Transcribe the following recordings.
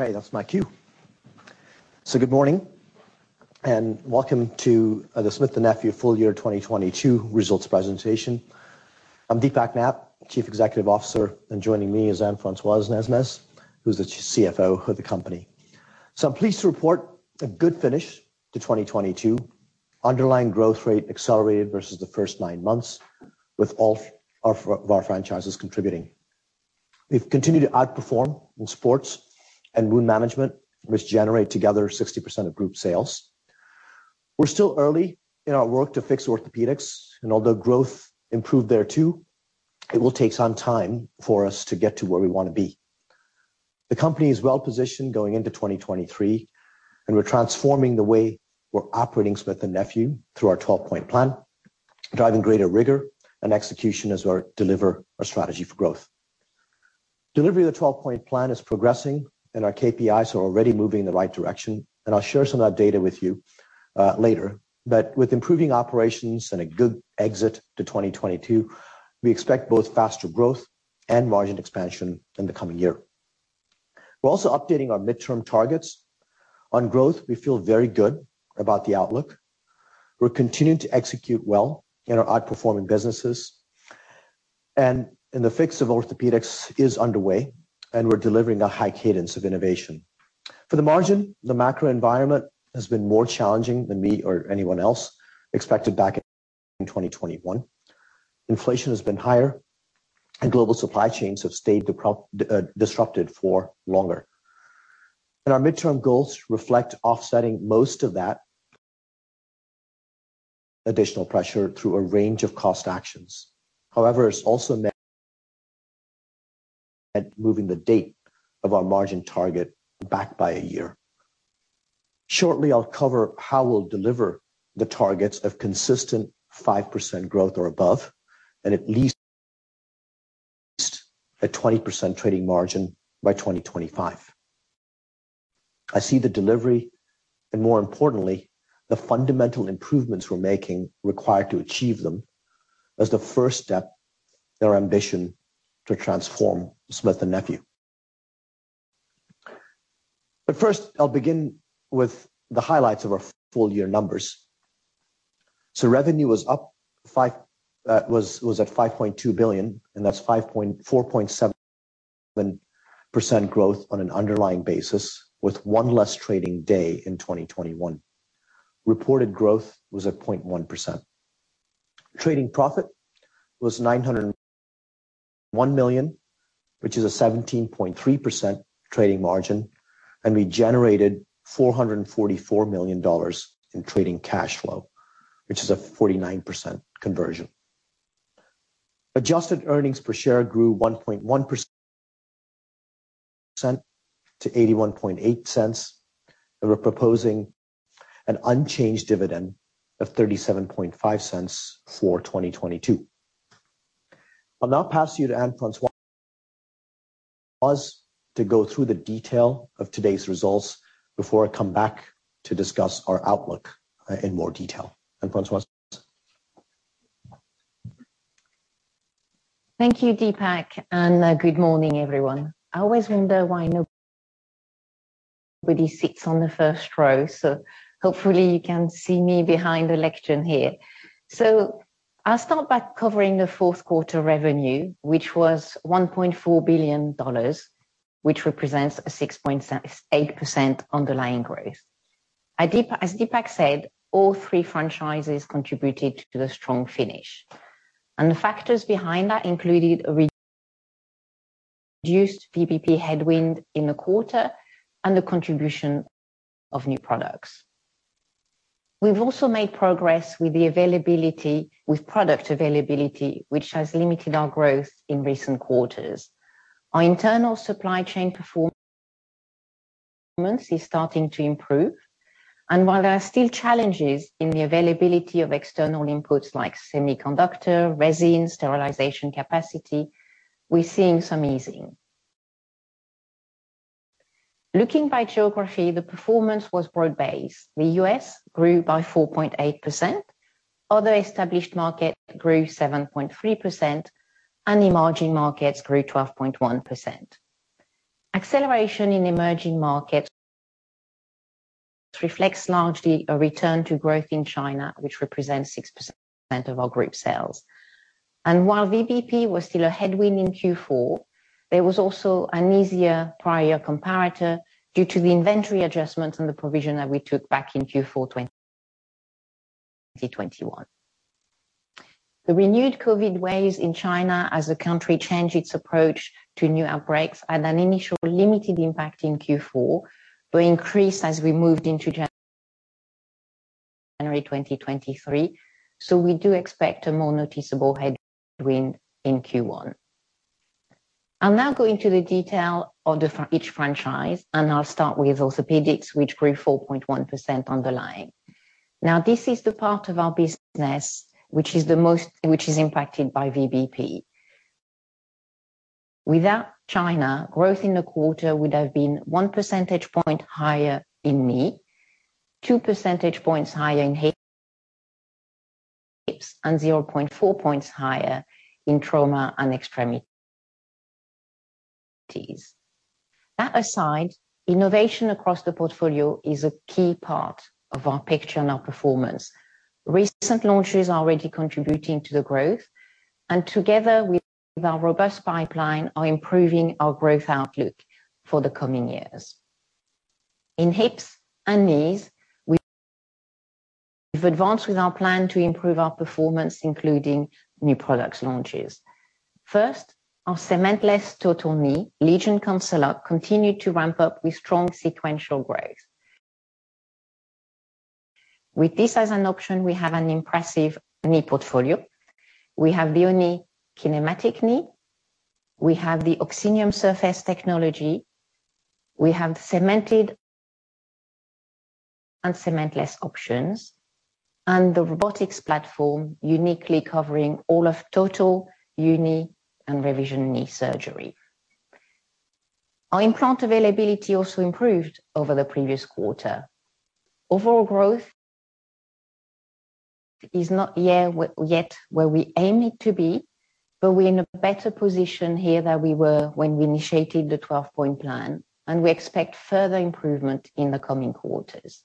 Okay, that's my cue. Good morning, and welcome to the Smith & Nephew full year 2022 results presentation. I'm Deepak Nath, Chief Executive Officer, and joining me is Anne-Françoise Nesmes, who's the CFO of the company. I'm pleased to report a good finish to 2022. Underlying growth rate accelerated versus the first nine months, with all of our franchises contributing. We've continued to outperform in sports and wound management, which generate together 60% of group sales. We're still early in our work to fix orthopedics, and although growth improved there too, it will take some time for us to get to where we wanna be. The company is well-positioned going into 2023, and we're transforming the way we're operating Smith & Nephew through our twelve-point plan, driving greater rigor and execution as we deliver our strategy for growth. Delivery of the twelve-point plan is progressing. Our KPIs are already moving in the right direction, and I'll share some of that data with you later. With improving operations and a good exit to 2022, we expect both faster growth and margin expansion in the coming year. We're also updating our midterm targets. On growth, we feel very good about the outlook. We're continuing to execute well in our outperforming businesses. In the fix of orthopedics is underway, and we're delivering a high cadence of innovation. For the margin, the macro environment has been more challenging than me or anyone else expected back in 2021. Inflation has been higher. Global supply chains have stayed disrupted for longer. Our midterm goals reflect offsetting most of that additional pressure through a range of cost actions. However, it's also moving the date of our margin target back by a year. Shortly, I'll cover how we'll deliver the targets of consistent 5% growth or above and at least a 20% trading margin by 2025. I see the delivery, and more importantly, the fundamental improvements we're making required to achieve them as the first step in our ambition to transform Smith & Nephew. First, I'll begin with the highlights of our full year numbers. Revenue was at $5.2 billion, and that's 4.7% growth on an underlying basis, with one less trading day in 2021. Reported growth was at 0.1%. Trading profit was $901 million, which is a 17.3% trading margin, and we generated $444 million in trading cash flow, which is a 49% conversion. Adjusted earnings per share grew 1.1% to $0.818. We're proposing an unchanged dividend of 0.375 for 2022. I'll now pass you to Anne-Françoise to go through the detail of today's results before I come back to discuss our outlook in more detail. Anne-Françoise? Thank you, Deepak. Good morning, everyone. I always wonder why nobody sits on the first row. Hopefully you can see me behind the lectern here. I'll start by covering the fourth quarter revenue, which was $1.4 billion, which represents a 6.8% underlying growth. Deepak said, all three franchises contributed to the strong finish. The factors behind that included a reduced VBP headwind in the quarter and the contribution of new products. We've also made progress with product availability, which has limited our growth in recent quarters. Our internal supply chain performance is starting to improve. While there are still challenges in the availability of external inputs like semiconductor, resin, sterilization capacity, we're seeing some easing. Looking by geography, the performance was broad-based. The U.S. grew by 4.8%. Other established market grew 7.3%, emerging markets grew 12.1%. Acceleration in emerging markets reflects largely a return to growth in China, which represents 6% of our group sales. While VBP was still a headwind in Q4, there was also an easier prior comparator due to the inventory adjustments and the provision that we took back in Q4 2021. The renewed COVID waves in China as the country changed its approach to new outbreaks had an initial limited impact in Q4, increased as we moved into January 2023, we do expect a more noticeable headwind in Q1. I'll now go into the detail of each franchise, I'll start with orthopedics, which grew 4.1% underlying. Now, this is the part of our business which is impacted by VBP. Without China, growth in the quarter would have been 1 percentage point higher in knee, 2 percentage points higher in hip. 0.4 points higher in trauma and extremities. That aside, innovation across the portfolio is a key part of our picture and our performance. Recent launches are already contributing to the growth, and together with our robust pipeline are improving our growth outlook for the coming years. In hips and knees, we've advanced with our plan to improve our performance, including new products launches. First, our cementless total knee, LEGION CONCELOC, continued to ramp up with strong sequential growth. With this as an option, we have an impressive knee portfolio. We have the unicompartmental knee, we have the OXINIUM surface technology, we have cemented and cementless options, and the robotics platform uniquely covering all of total, uni and revision knee surgery. Our implant availability also improved over the previous quarter. Overall growth is not yet where we aim it to be, but we're in a better position here than we were when we initiated the twelve-point plan, and we expect further improvement in the coming quarters.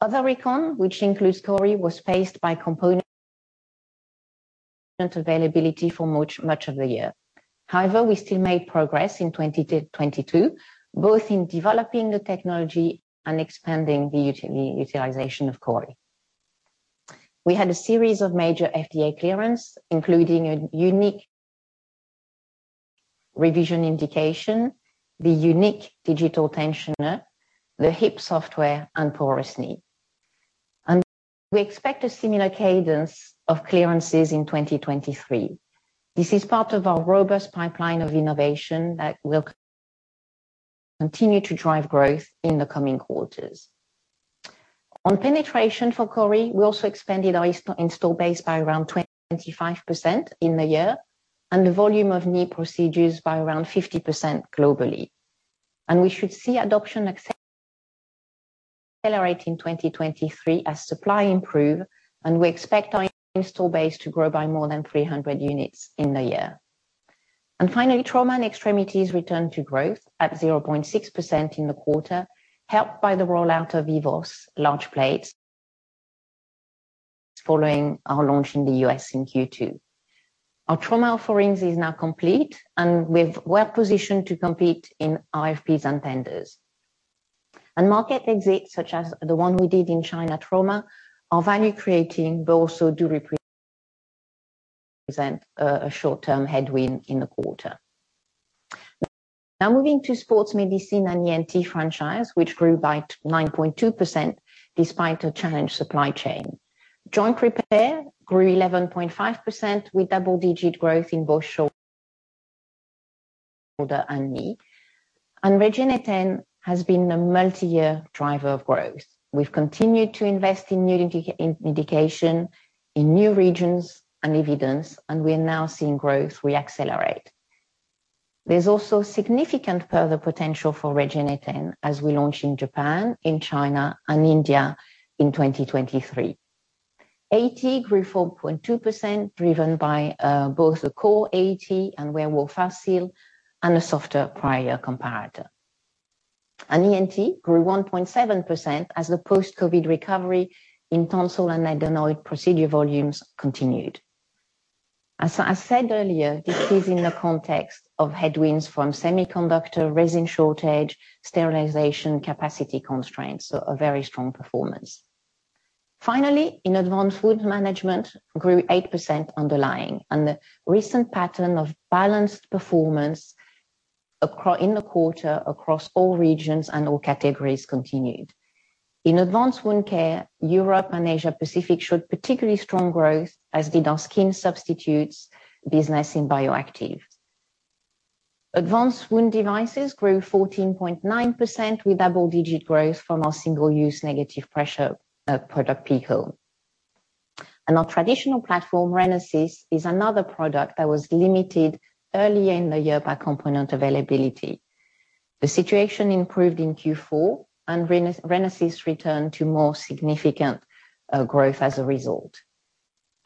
Other recon, which includes CORI, was faced by component availability for much of the year. However, we still made progress in 2022, both in developing the technology and expanding the utilization of CORI. We had a series of major FDA clearance, including a unique revision indication, the unique Digital Tensioner, the hip software, and porous knee. We expect a similar cadence of clearances in 2023. This is part of our robust pipeline of innovation that will continue to drive growth in the coming quarters. On penetration for CORI, we also expanded our install base by around 25% in the year and the volume of knee procedures by around 50% globally. We should see adoption accelerate in 2023 as supply improve, and we expect our install base to grow by more than 300 units in the year. Finally, trauma and extremities return to growth at 0.6% in the quarter, helped by the rollout of EVOS large plates following our launch in the U.S. in Q2. Our trauma offerings is now complete and we're positioned to compete in RFPs and tenders. Market exits, such as the one we did in China trauma, are value creating but also do represent a short-term headwind in the quarter. Now moving to sports medicine and the ENT franchise, which grew by 9.2% despite a challenged supply chain. Joint repair grew 11.5% with double-digit growth in both shoulder and knee. REGENETEN has been a multi-year driver of growth. We've continued to invest in new indication, in new regions and evidence, and we are now seeing growth re-accelerate. There's also significant further potential for REGENETEN as we launch in Japan, in China and India in 2023. AT grew 4.2%, driven by both the core AT and WEREWOLF FASTSEAL and a softer prior comparator. ENT grew 1.7% as the post-COVID recovery in tonsil and adenoid procedure volumes continued. As I said earlier, this is in the context of headwinds from semiconductor resin shortage, sterilization capacity constraints, a very strong performance. Finally, in Advanced Wound Management grew 8% underlying, the recent pattern of balanced performance in the quarter across all regions and all categories continued. In Advanced Wound Care, Europe and Asia Pacific showed particularly strong growth, as did our skin substitutes business in Bioactive. Advanced Wound Devices grew 14.9% with double-digit growth from our single-use negative pressure product PICO. Our traditional platform, RENASYS, is another product that was limited early in the year by component availability. The situation improved in Q4 and RENASYS returned to more significant growth as a result.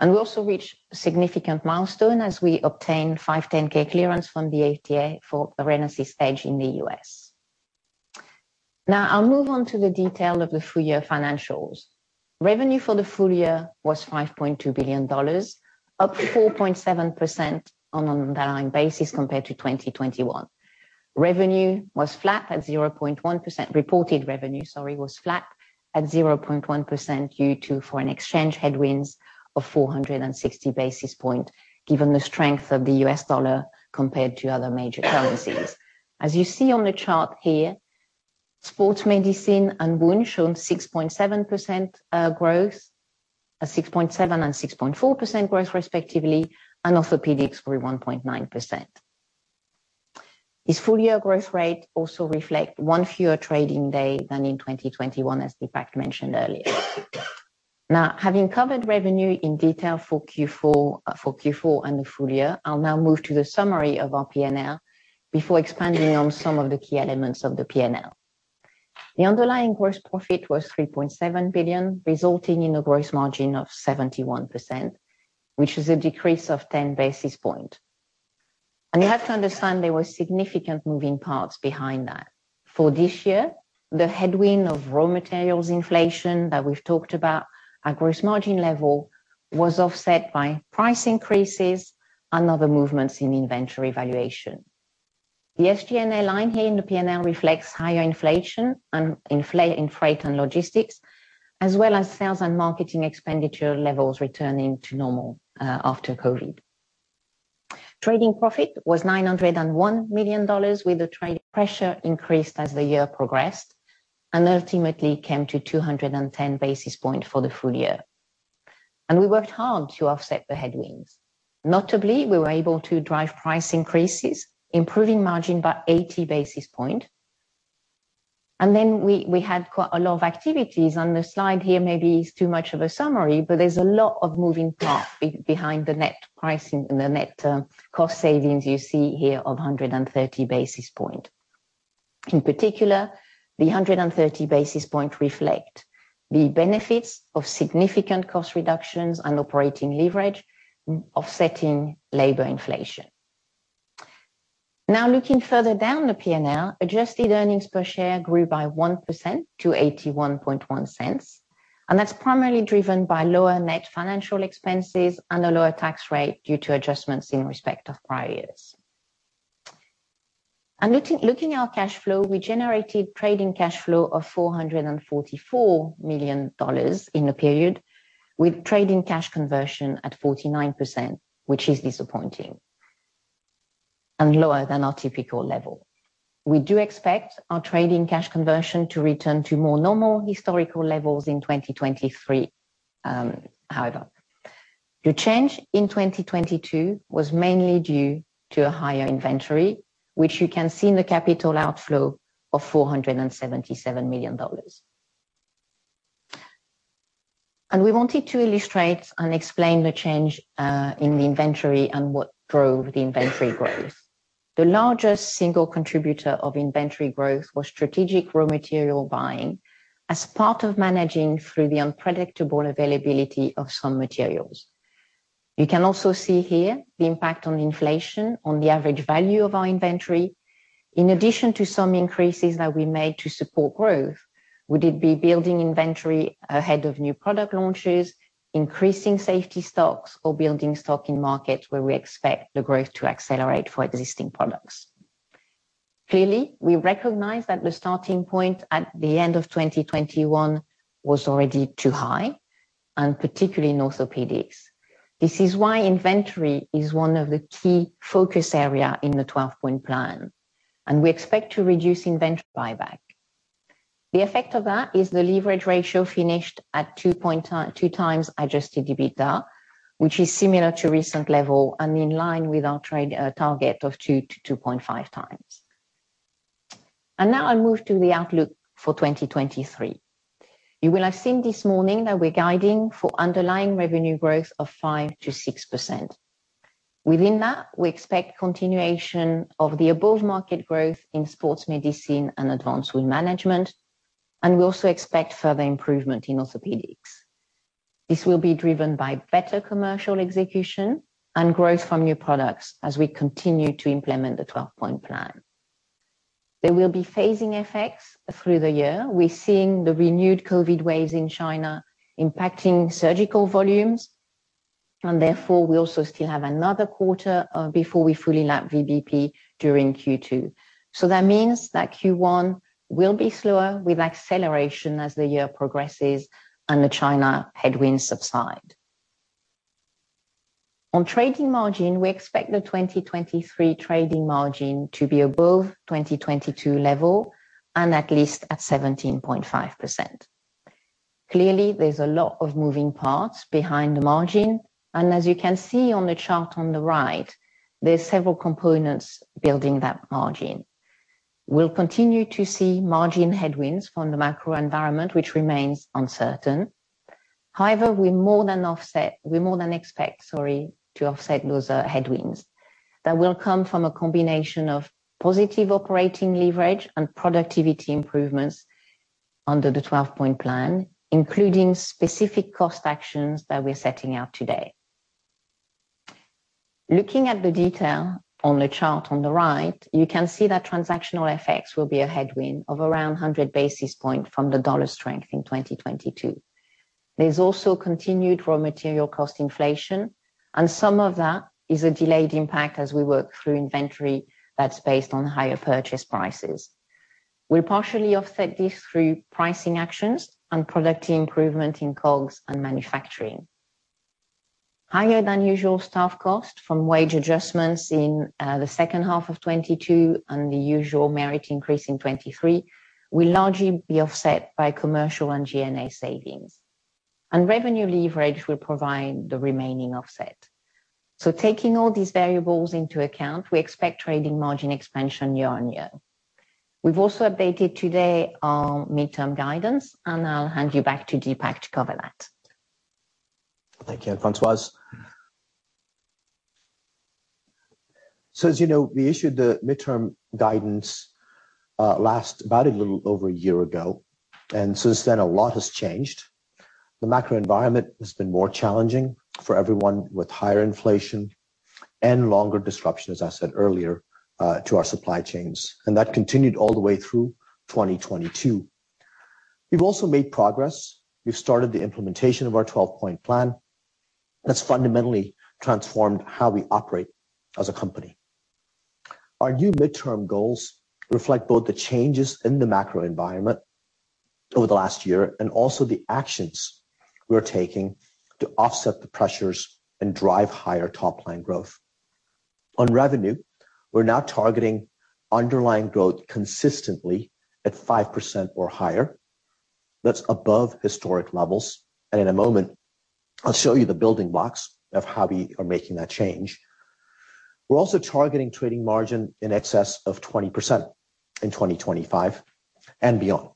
We also reached a significant milestone as we obtained 510(k) clearance from the FDA for RENASYS EDGE in the U.S.. Now I'll move on to the detail of the full-year financials. Revenue for the full year was $5.2 billion, up 4.7% on an underlying basis compared to 2021. Revenue was flat at 0.1%. Reported revenue, sorry, was flat at 0.1% due to foreign exchange headwinds of 460 basis points, given the strength of the U.S. dollar compared to other major currencies. As you see on the chart here, sports medicine and wound shown 6.7% and 6.4% growth respectively. Orthopedics grew 1.9%. This full-year growth rate also reflect one fewer trading day than in 2021, as Deepak mentioned earlier. Now, having covered revenue in detail for Q4, for Q4 and the full year, I'll now move to the summary of our P&L before expanding on some of the key elements of the P&L. The underlying gross profit was $3.7 billion, resulting in a gross margin of 71%, which is a decrease of 10 basis point. You have to understand there were significant moving parts behind that. For this year, the headwind of raw materials inflation that we've talked about, our gross margin level was offset by price increases and other movements in inventory valuation. The SG&A line here in the P&L reflects higher inflation in freight and logistics, as well as sales and marketing expenditure levels returning to normal after COVID. Trading profit was $901 million with the trade pressure increased as the year progressed and ultimately came to 210 basis points for the full year. We worked hard to offset the headwinds. Notably, we were able to drive price increases, improving margin by 80 basis points. Then we had quite a lot of activities. On the slide here, maybe it's too much of a summary, but there's a lot of moving parts behind the net pricing and the net cost savings you see here of 130 basis points. In particular, the 130 basis points reflect the benefits of significant cost reductions and operating leverage offsetting labor inflation. Looking further down the P&L, adjusted earnings per share grew by 1% to $0.811, that's primarily driven by lower net financial expenses and a lower tax rate due to adjustments in respect of prior years. Looking at our cash flow, we generated trading cash flow of $444 million in the period, with trading cash conversion at 49%, which is disappointing and lower than our typical level. We do expect our trading cash conversion to return to more normal historical levels in 2023, however. The change in 2022 was mainly due to a higher inventory, which you can see in the capital outflow of $477 million. We wanted to illustrate and explain the change in the inventory and what drove the inventory growth. The largest single contributor of inventory growth was strategic raw material buying as part of managing through the unpredictable availability of some materials. You can also see here the impact on inflation on the average value of our inventory. In addition to some increases that we made to support growth, would it be building inventory ahead of new product launches, increasing safety stocks or building stock in markets where we expect the growth to accelerate for existing products. Clearly, we recognize that the starting point at the end of 2021 was already too high, and particularly in orthopedics. This is why inventory is one of the key focus area in the twelve-point plan, and we expect to reduce inventory back. The effect of that is the leverage ratio finished at 2x adjusted EBITDA, which is similar to recent level and in line with our target of 2x-2.5x. Now I move to the outlook for 2023. You will have seen this morning that we're guiding for underlying revenue growth of 5%-6%. Within that, we expect continuation of the above market growth in sports medicine and advanced wound management, and we also expect further improvement in orthopedics. This will be driven by better commercial execution and growth from new products as we continue to implement the twelve-point plan. There will be phasing effects through the year. We're seeing the renewed COVID waves in China impacting surgical volumes. Therefore, we also still have another quarter before we fully lap VBP during Q2. That means that Q1 will be slower with acceleration as the year progresses and the China headwinds subside. On trading margin, we expect the 2023 trading margin to be above 2022 level and at least at 17.5%. There's a lot of moving parts behind the margin, and as you can see on the chart on the right, there's several components building that margin. We'll continue to see margin headwinds from the macro environment, which remains uncertain. We more than expect, sorry, to offset those headwinds. That will come from a combination of positive operating leverage and productivity improvements under the twelve-point plan, including specific cost actions that we're setting out today. Looking at the detail on the chart on the right, you can see that transactional effects will be a headwind of around 100 basis points from the dollar strength in 2022. There's also continued raw material cost inflation, and some of that is a delayed impact as we work through inventory that's based on higher purchase prices. We'll partially offset this through pricing actions and productivity improvement in COGS and manufacturing. Higher than usual staff cost from wage adjustments in the second half of 2022 and the usual merit increase in 2023 will largely be offset by commercial and G&A savings. Revenue leverage will provide the remaining offset. Taking all these variables into account, we expect trading margin expansion year-on-year. We've also updated today our midterm guidance, and I'll hand you back to Deepak to cover that. Thank you, Anne-Françoise. As you know, we issued the midterm guidance about a little over a year ago, and since then, a lot has changed. The macro environment has been more challenging for everyone with higher inflation and longer disruption, as I said earlier, to our supply chains. That continued all the way through 2022. We've also made progress. We've started the implementation of our twelve-point plan that's fundamentally transformed how we operate as a company. Our new midterm goals reflect both the changes in the macro environment over the last year and also the actions we are taking to offset the pressures and drive higher top line growth. On revenue, we're now targeting underlying growth consistently at 5% or higher. That's above historic levels. In a moment, I'll show you the building blocks of how we are making that change. We're also targeting trading margin in excess of 20% in 2025 and beyond.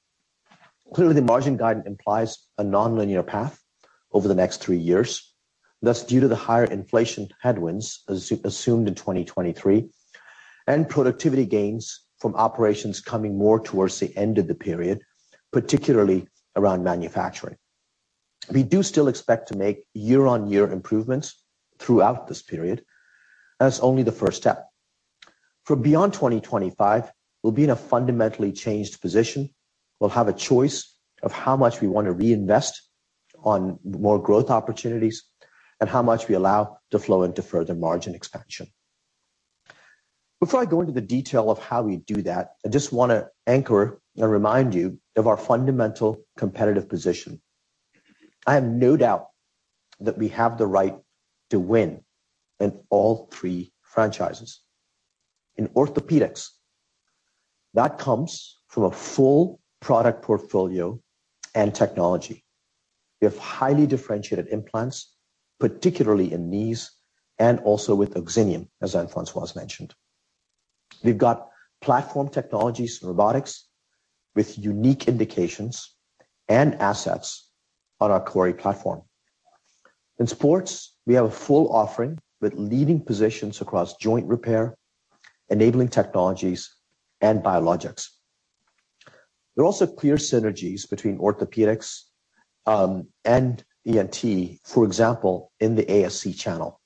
Clearly, the margin guidance implies a nonlinear path over the next three years. That's due to the higher inflation headwinds assumed in 2023 and productivity gains from operations coming more towards the end of the period, particularly around manufacturing. We do still expect to make year-on-year improvements throughout this period. That's only the first step. For beyond 2025, we'll be in a fundamentally changed position. We'll have a choice of how much we want to reinvest on more growth opportunities and how much we allow to flow into further margin expansion. Before I go into the detail of how we do that, I just wanna anchor and remind you of our fundamental competitive position. I have no doubt that we have the right to win in all three franchises. In orthopedics, that comes from a full product portfolio and technology. We have highly differentiated implants, particularly in knees and also with OXINIUM, as Anne-Françoise mentioned. We've got platform technologies and robotics with unique indications and assets on our CORI platform. In sports, we have a full offering with leading positions across joint repair, enabling technologies, and biologics. There are also clear synergies between orthopedics and ENT, for example, in the ASC channel.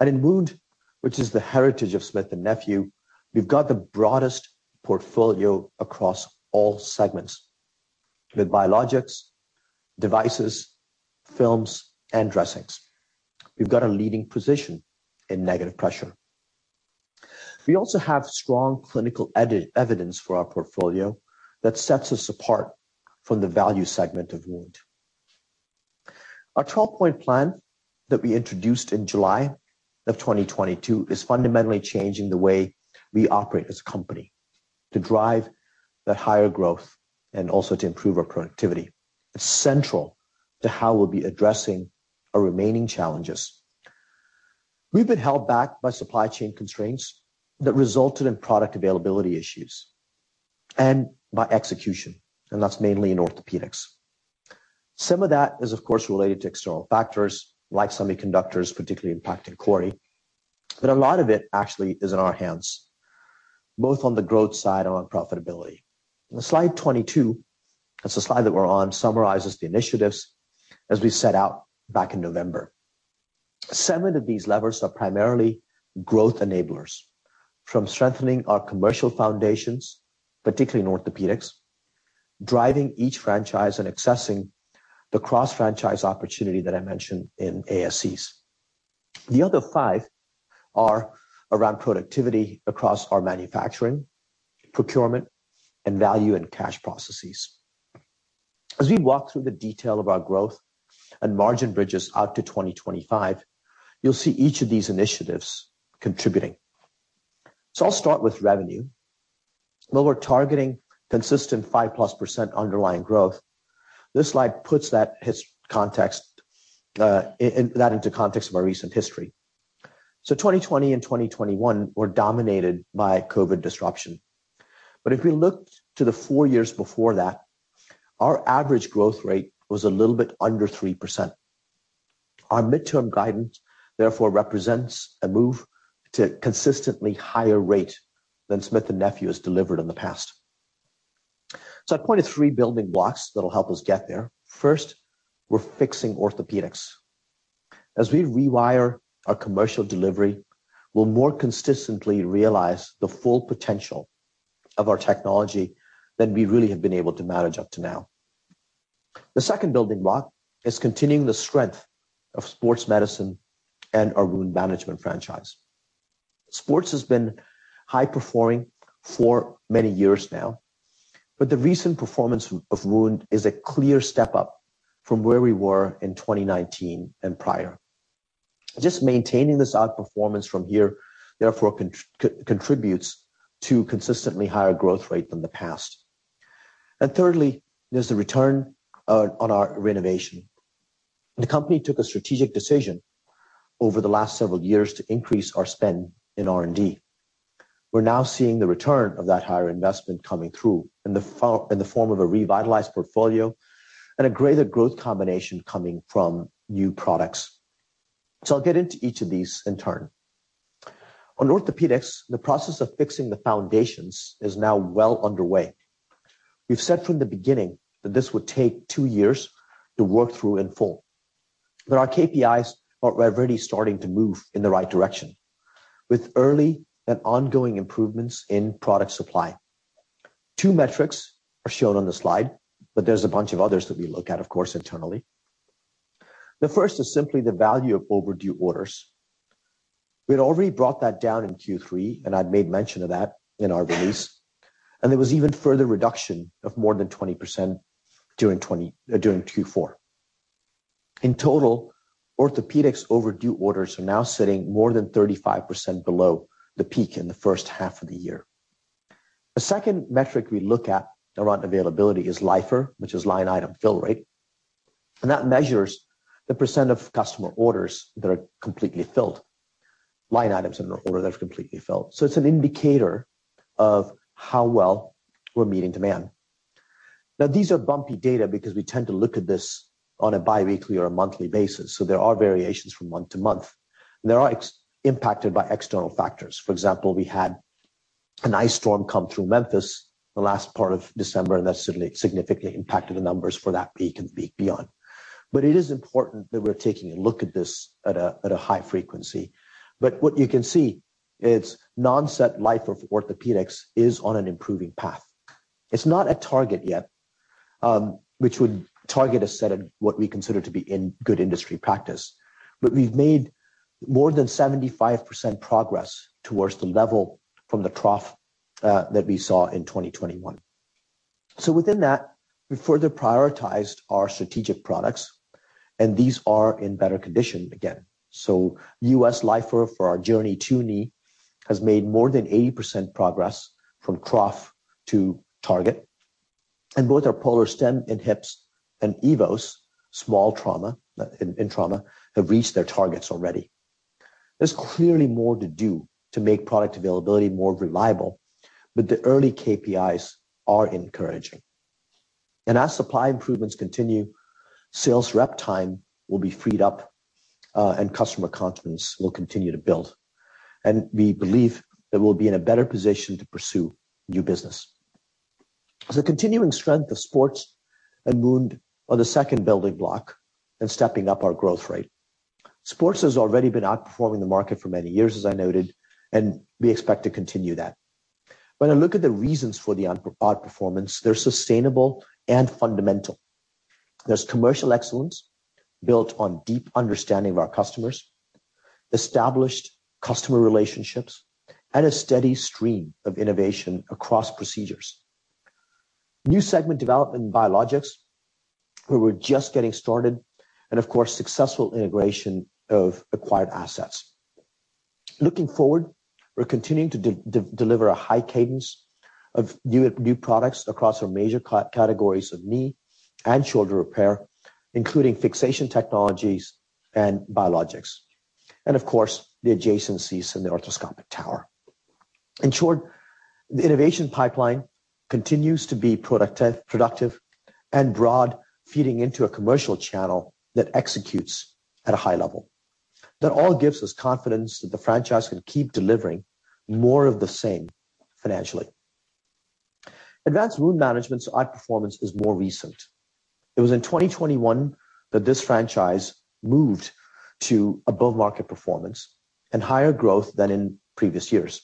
In wound, which is the heritage of Smith & Nephew, we've got the broadest portfolio across all segments with biologics, devices, films, and dressings. We've got a leading position in negative pressure. We also have strong clinical evidence for our portfolio that sets us apart from the value segment of wound. Our twelve-point plan that we introduced in July of 2022 is fundamentally changing the way we operate as a company to drive that higher growth and also to improve our productivity. It's central to how we'll be addressing our remaining challenges. We've been held back by supply chain constraints that resulted in product availability issues and by execution, and that's mainly in orthopedics. Some of that is, of course, related to external factors like semiconductors, particularly impacting CORI. A lot of it actually is in our hands, both on the growth side and on profitability. On slide 22, that's the slide that we're on, summarizes the initiatives as we set out back in November. Seven of these levers are primarily growth enablers from strengthening our commercial foundations, particularly in orthopedics, driving each franchise, and accessing the cross franchise opportunity that I mentioned in ASCs. The other five are around productivity across our manufacturing, procurement, and value and cash processes. We walk through the detail of our growth and margin bridges out to 2025, you'll see each of these initiatives contributing. I'll start with revenue. While we're targeting consistent 5%+ underlying growth, this slide puts that into context of our recent history. 2020 and 2021 were dominated by COVID disruption. If we look to the 4 years before that, our average growth rate was a little bit under 3%. Our midterm guidance, therefore, represents a move to consistently higher rate than Smith & Nephew has delivered in the past. I pointed 3 building blocks that'll help us get there. First, we're fixing orthopedics. As we rewire our commercial delivery, we'll more consistently realize the full potential of our technology than we really have been able to manage up to now. The second building block is continuing the strength of sports medicine and our wound management franchise. Sports has been high performing for many years now, but the recent performance of wound is a clear step up from where we were in 2019 and prior. Just maintaining this outperformance from here, therefore, contributes to consistently higher growth rate than the past. Thirdly, there's the return on our renovation. The company took a strategic decision over the last several years to increase our spend in R&D. We're now seeing the return of that higher investment coming through in the form of a revitalized portfolio and a greater growth combination coming from new products. I'll get into each of these in turn. On Orthopedics, the process of fixing the foundations is now well underway. We've said from the beginning that this would take two years to work through in full. Our KPIs are already starting to move in the right direction with early and ongoing improvements in product supply. Two metrics are shown on the slide. There's a bunch of others that we look at, of course, internally. The first is simply the value of overdue orders. We had already brought that down in Q3. I'd made mention of that in our release. There was even further reduction of more than 20% during Q4. In total, Orthopedics overdue orders are now sitting more than 35% below the peak in the first half of the year. The second metric we look at around availability is LIFR, which is Line Item Fill Rate, that measures the % of customer orders that are completely filled, line items in an order that are completely filled. It's an indicator of how well we're meeting demand. Now, these are bumpy data because we tend to look at this on a biweekly or a monthly basis, there are variations from month to month. They are impacted by external factors. For example, we had an ice storm come through Memphis the last part of December, that significantly impacted the numbers for that peak and peak beyond. It is important that we're taking a look at this at a high frequency. What you can see is non-set LIFR of Orthopedics is on an improving path. It's not at target yet, which would target a set of what we consider to be in good industry practice. We've made more than 75% progress towards the level from the trough that we saw in 2021. Within that, we further prioritized our strategic products, and these are in better condition again. U.S. LIFR for our JOURNEY II Knee has made more than 80% progress from trough to target. Both our POLARSTEM and Hips and EVOS SMALL trauma have reached their targets already. There's clearly more to do to make product availability more reliable, but the early KPIs are encouraging. As supply improvements continue, sales rep time will be freed up, and customer confidence will continue to build. We believe that we'll be in a better position to pursue new business. The continuing strength of Sports and Wound are the second building block in stepping up our growth rate. Sports has already been outperforming the market for many years, as I noted, and we expect to continue that. When I look at the reasons for the outperformance, they're sustainable and fundamental. There's commercial excellence built on deep understanding of our customers, established customer relationships, and a steady stream of innovation across procedures. New segment development in Biologics, where we're just getting started, and of course, successful integration of acquired assets. Looking forward, we're continuing to deliver a high cadence of new products across our major categories of knee and shoulder repair, including fixation technologies and biologics, and of course, the adjacencies in the Arthroscopic Tower. In short, the innovation pipeline continues to be productive and broad, feeding into a commercial channel that executes at a high level. That all gives us confidence that the franchise can keep delivering more of the same financially. Advanced Wound Management's outperformance is more recent. It was in 2021 that this franchise moved to above-market performance and higher growth than in previous years.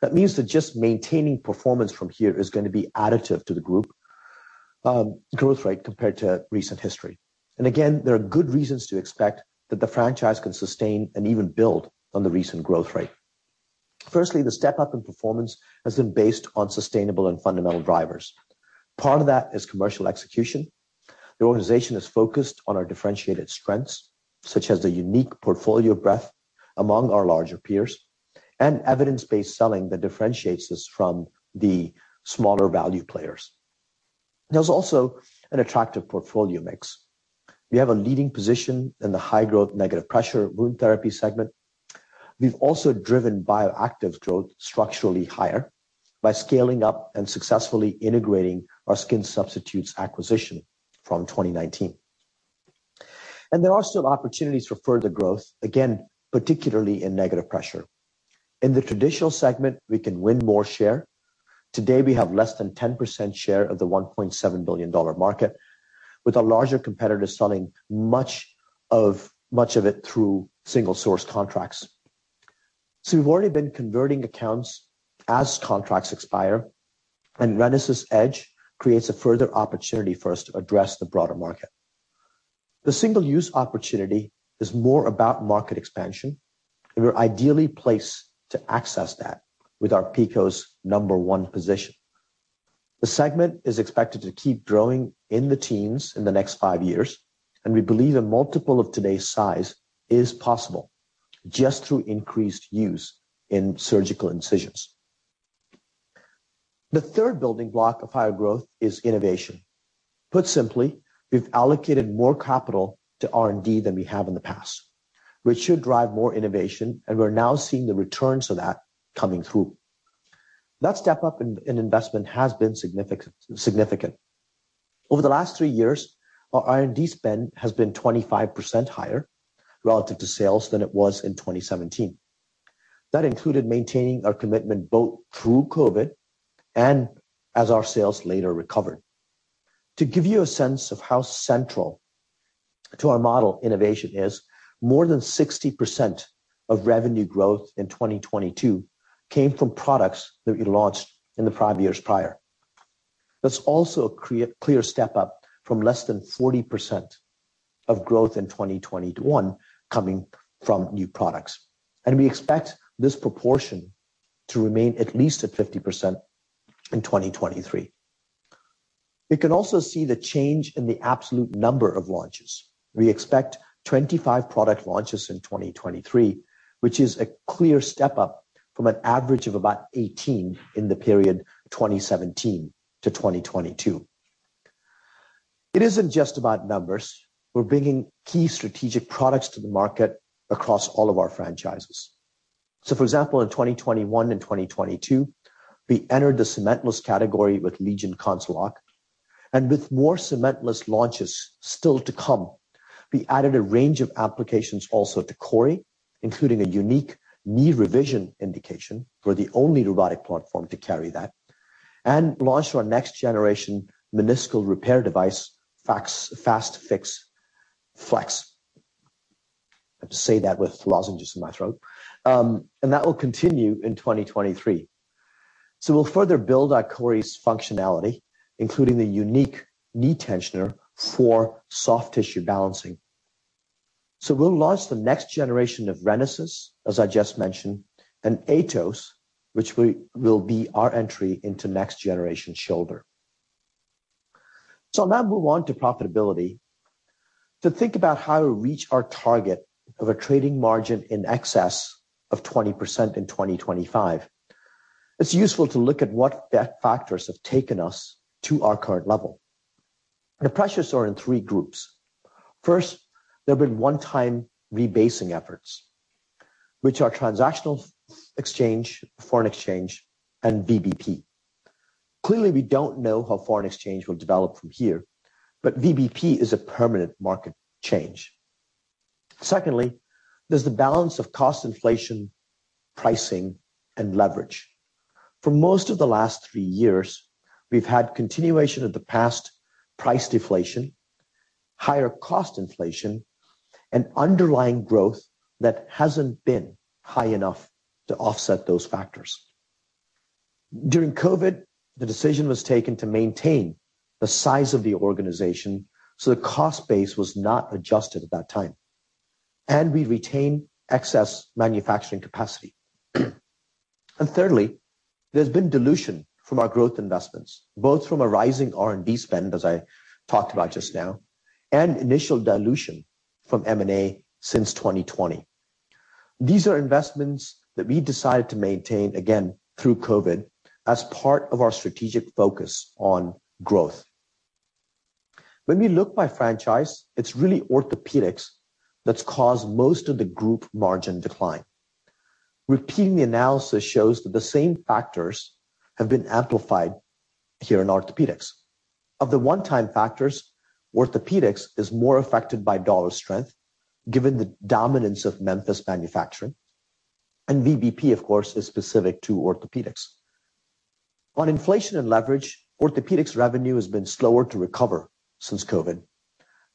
That means that just maintaining performance from here is going to be additive to the group growth rate compared to recent history. Again, there are good reasons to expect that the franchise can sustain and even build on the recent growth rate. Firstly, the step-up in performance has been based on sustainable and fundamental drivers. Part of that is commercial execution. The organization is focused on our differentiated strengths, such as the unique portfolio breadth among our larger peers and evidence-based selling that differentiates us from the smaller value players. There's also an attractive portfolio mix. We have a leading position in the high-growth negative pressure wound therapy segment. We've also driven bioactives growth structurally higher by scaling up and successfully integrating our skin substitutes acquisition from 2019. There are still opportunities for further growth, again, particularly in negative pressure. In the traditional segment, we can win more share. Today, we have less than 10% share of the $1.7 billion market, with our larger competitors selling much of it through single-source contracts. We've already been converting accounts as contracts expire, and RENASYS EDGE creates a further opportunity for us to address the broader market. The single-use opportunity is more about market expansion, and we're ideally placed to access that with our PICO's number one position. The segment is expected to keep growing in the teens in the next 5 years, and we believe a multiple of today's size is possible just through increased use in surgical incisions. The third building block of higher growth is innovation. Put simply, we've allocated more capital to R&D than we have in the past, which should drive more innovation, and we're now seeing the returns of that coming through. That step up in investment has been significant. Over the last 3 years, our R&D spend has been 25% higher relative to sales than it was in 2017. That included maintaining our commitment both through COVID and as our sales later recovered. To give you a sense of how central to our model innovation is, more than 60% of revenue growth in 2022 came from products that we launched in the 5 years prior. That's also a clear step up from less than 40% of growth in 2021 coming from new products. We expect this proportion to remain at least at 50% in 2023. You can also see the change in the absolute number of launches. We expect 25 product launches in 2023, which is a clear step up from an average of about 18 in the period 2017-2022. It isn't just about numbers. We're bringing key strategic products to the market across all of our franchises. For example, in 2021 and 2022, we entered the cementless category with LEGION CONCELOC. With more cementless launches still to come, we added a range of applications also to CORI, including a unique knee revision indication. We're the only robotic platform to carry that. Launched our next generation meniscal repair device, FAST-FIX FLEX. I have to say that with lozenges in my throat. That will continue in 2023. We'll further build on CORI's functionality, including the unique Knee Tensioner for soft tissue balancing. We'll launch the next generation of RENASYS, as I just mentioned, and AETOS, which will be our entry into next generation shoulder. I'll now move on to profitability. To think about how to reach our target of a trading margin in excess of 20% in 2025, it's useful to look at what factors have taken us to our current level. The pressures are in three groups. First, there have been one-time rebasing efforts, which are transactional exchange, foreign exchange, and VBP. Clearly, we don't know how foreign exchange will develop from here, but VBP is a permanent market change. Secondly, there's the balance of cost inflation, pricing, and leverage. For most of the last 3 years, we've had continuation of the past price deflation, higher cost inflation, and underlying growth that hasn't been high enough to offset those factors. During COVID, the decision was taken to maintain the size of the organization, so the cost base was not adjusted at that time, and we retained excess manufacturing capacity. Thirdly, there's been dilution from our growth investments, both from a rising R&D spend, as I talked about just now, and initial dilution from M&A since 2020. These are investments that we decided to maintain, again, through COVID as part of our strategic focus on growth. When we look by franchise, it's really orthopedics that's caused most of the group margin decline. Repeating the analysis shows that the same factors have been amplified here in orthopedics. Of the one-time factors, orthopedics is more affected by dollar strength, given the dominance of Memphis manufacturing. VBP, of course, is specific to orthopedics. On inflation and leverage, orthopedics revenue has been slower to recover since COVID.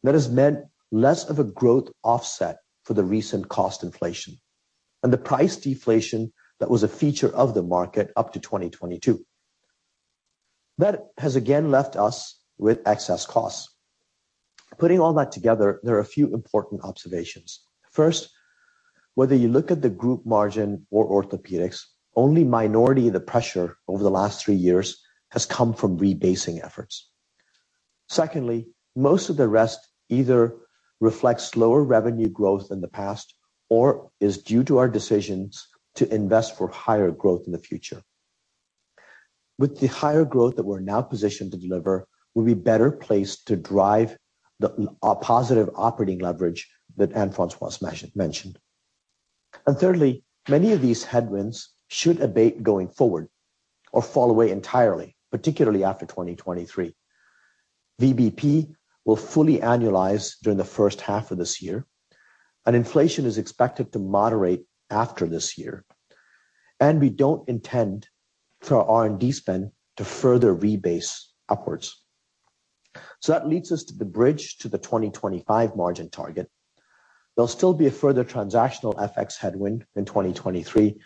That has meant less of a growth offset for the recent cost inflation and the price deflation that was a feature of the market up to 2022. That has again left us with excess costs. Putting all that together, there are a few important observations. First, whether you look at the group margin or orthopedics, only minority of the pressure over the last three years has come from rebasing efforts. Secondly, most of the rest either reflects lower revenue growth than the past or is due to our decisions to invest for higher growth in the future. With the higher growth that we're now positioned to deliver, we'll be better placed to drive the positive operating leverage that Anne-Françoise mentioned. Thirdly, many of these headwinds should abate going forward or fall away entirely, particularly after 2023. VBP will fully annualize during the first half of this year. Inflation is expected to moderate after this year. We don't intend for our R&D spend to further rebase upwards. That leads us to the bridge to the 2025 margin target. There'll still be a further transactional FX headwind in 2023,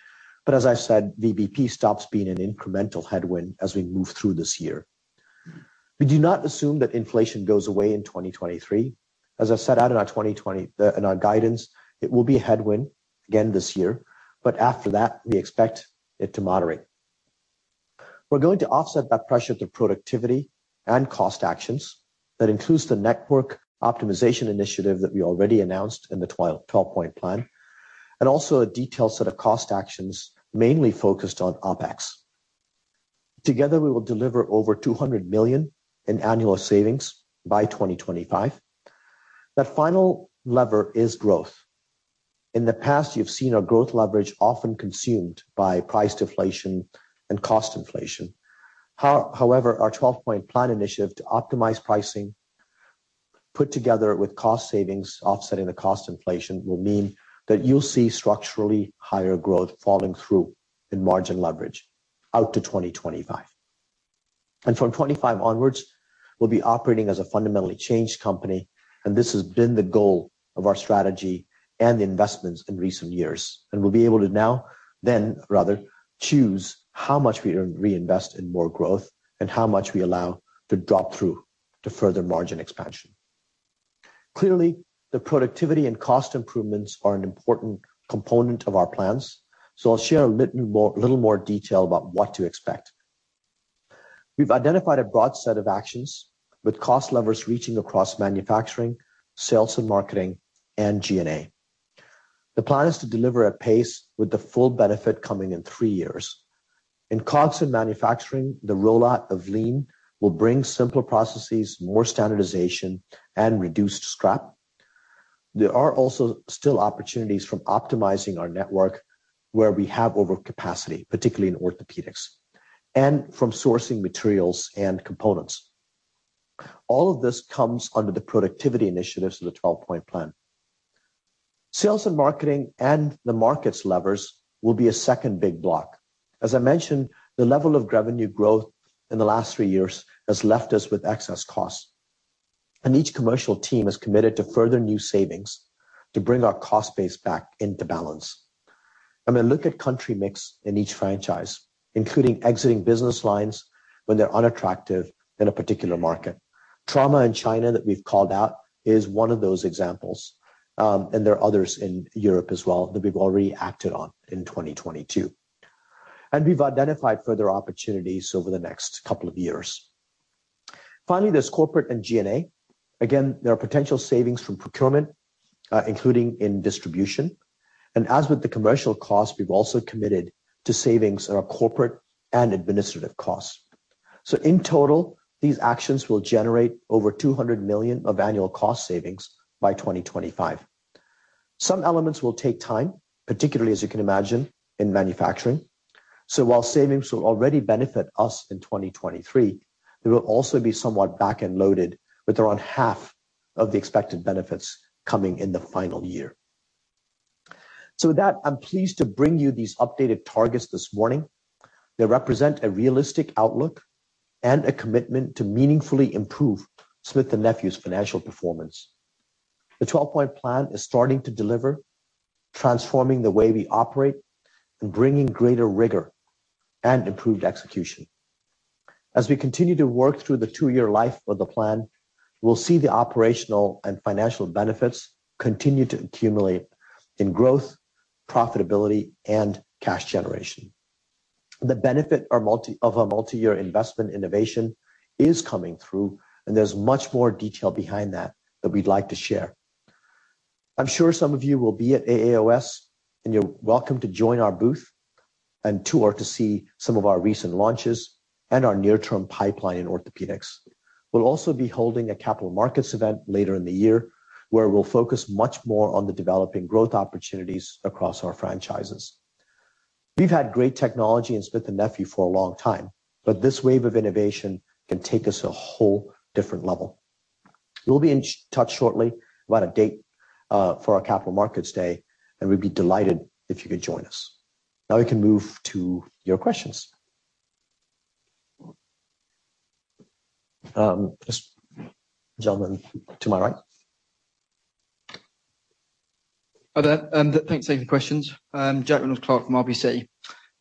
but as I said, VBP stops being an incremental headwind as we move through this year. We do not assume that inflation goes away in 2023. As I set out in our 2020 in our guidance, it will be a headwind again this year. After that, we expect it to moderate. We're going to offset that pressure through productivity and cost actions. That includes the network optimization initiative that we already announced in the twelve-point plan. Also a detailed set of cost actions mainly focused on OpEx. Together, we will deliver over $200 million in annual savings by 2025. The final lever is growth. In the past, you've seen our growth leverage often consumed by price deflation and cost inflation. However, our twelve-point plan initiative to optimize pricing, put together with cost savings offsetting the cost inflation, will mean that you'll see structurally higher growth falling through in margin leverage out to 2025. From 2025 onwards, we'll be operating as a fundamentally changed company, and this has been the goal of our strategy and investments in recent years. We'll be able to now, then rather, choose how much we re-reinvest in more growth and how much we allow to drop through to further margin expansion. Clearly, the productivity and cost improvements are an important component of our plans. I'll share a little more detail about what to expect. We've identified a broad set of actions with cost levers reaching across manufacturing, sales and marketing, and G&A. The plan is to deliver at pace with the full benefit coming in three years. In COGS and manufacturing, the rollout of Lean will bring simpler processes, more standardization, and reduced scrap. There are also still opportunities from optimizing our network where we have overcapacity, particularly in orthopedics, and from sourcing materials and components. All of this comes under the productivity initiatives of the twelve-point plan. Sales and marketing and the markets levers will be a second big block. As I mentioned, the level of revenue growth in the last three years has left us with excess costs. Each commercial team is committed to further new savings to bring our cost base back into balance. Look at country mix in each franchise, including exiting business lines when they're unattractive in a particular market. Trauma in China that we've called out is one of those examples, and there are others in Europe as well that we've already acted on in 2022. We've identified further opportunities over the next couple of years. Finally, there's corporate and G&A. Again, there are potential savings from procurement, including in distribution. As with the commercial costs, we've also committed to savings in our corporate and administrative costs. In total, these actions will generate over $200 million of annual cost savings by 2025. Some elements will take time, particularly, as you can imagine, in manufacturing. While savings will already benefit us in 2023, they will also be somewhat back-end loaded, with around half of the expected benefits coming in the final year. With that, I'm pleased to bring you these updated targets this morning. They represent a realistic outlook and a commitment to meaningfully improve Smith & Nephew's financial performance. The twelve-point plan is starting to deliver, transforming the way we operate and bringing greater rigor and improved execution. As we continue to work through the two-year life of the plan, we'll see the operational and financial benefits continue to accumulate in growth, profitability, and cash generation. The benefit are of a multi-year investment innovation is coming through. There's much more detail behind that that we'd like to share. I'm sure some of you will be at AAOS. You're welcome to join our booth and tour to see some of our recent launches and our near-term pipeline in orthopedics. We'll also be holding a capital markets event later in the year, where we'll focus much more on the developing growth opportunities across our franchises. We've had great technology in Smith & Nephew for a long time. This wave of innovation can take us a whole different level. We'll be in touch shortly about a date for our capital markets day. We'd be delighted if you could join us. Now we can move to your questions. This gentleman to my right. Hi there, and thanks for taking the questions. I'm Jack Reynolds-Clark from RBC.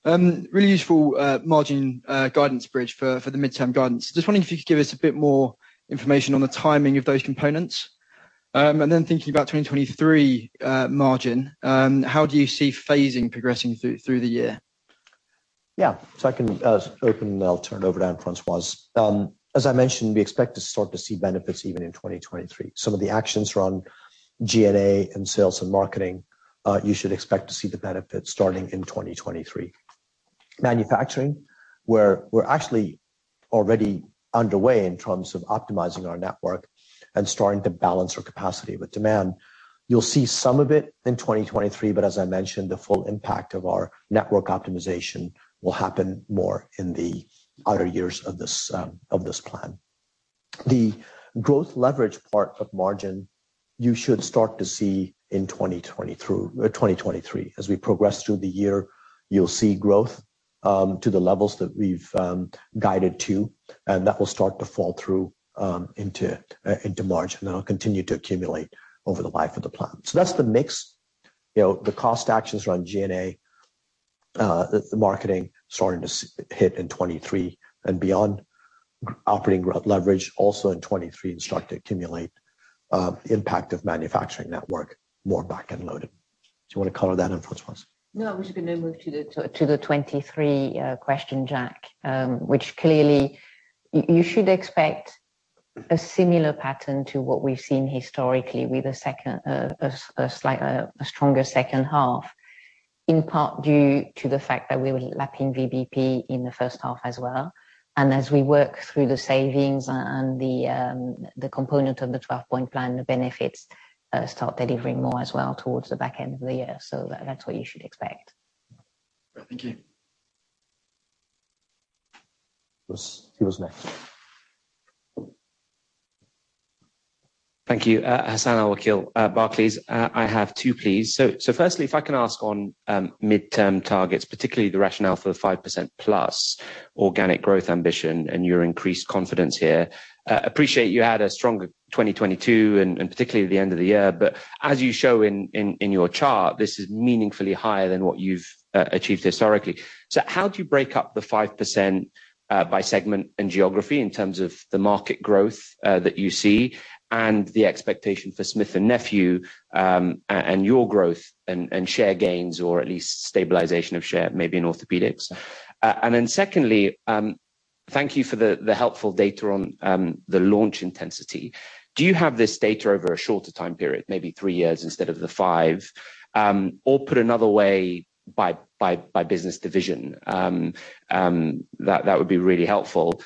Really useful, margin, guidance bridge for the midterm guidance. Just wondering if you could give us a bit more information on the timing of those components. Thinking about 2023, margin, how do you see phasing progressing through the year? Yeah. I can open and I'll turn it over to Anne-Françoise. As I mentioned, we expect to start to see benefits even in 2023. Some of the actions around G&A and sales and marketing, you should expect to see the benefits starting in 2023. Manufacturing, where we're actually already underway in terms of optimizing our network and starting to balance our capacity with demand. You'll see some of it in 2023, but as I mentioned, the full impact of our network optimization will happen more in the outer years of this plan. The growth leverage part of margin, you should start to see in 2023. As we progress through the year, you'll see growth to the levels that we've guided to. That will start to fall through into margin. It'll continue to accumulate over the life of the plan. That's the mix. You know, the cost actions around G&A, the marketing starting to hit in 2023 and beyond. Operating growth leverage also in 2023 and start to accumulate, impact of manufacturing network, more back-end loaded. Do you want to color that in Anne-Françoise? No, we should then move to the 2023 question, Jack, which clearly you should expect a similar pattern to what we've seen historically with a second, a slight, a stronger second half, in part due to the fact that we were lapping VBP in the first half as well. As we work through the savings and the component of the twelve-point plan, the benefits start delivering more as well towards the back end of the year. That's what you should expect. Thank you. Who is next? Thank you. Hassan Al-Wakeel, Barclays. I have two, please. Firstly, if I can ask on midterm targets, particularly the rationale for the 5%+ organic growth ambition and your increased confidence here. Appreciate you had a stronger 2022 and particularly the end of the year. As you show in your chart, this is meaningfully higher than what you've achieved historically. How do you break up the 5% by segment and geography in terms of the market growth that you see and the expectation for Smith & Nephew and your growth and share gains or at least stabilization of share maybe in orthopedics? Secondly, thank you for the helpful data on the launch intensity. Do you have this data over a shorter time period, maybe 3 years instead of the 5 years? Put another way by business division? That would be really helpful.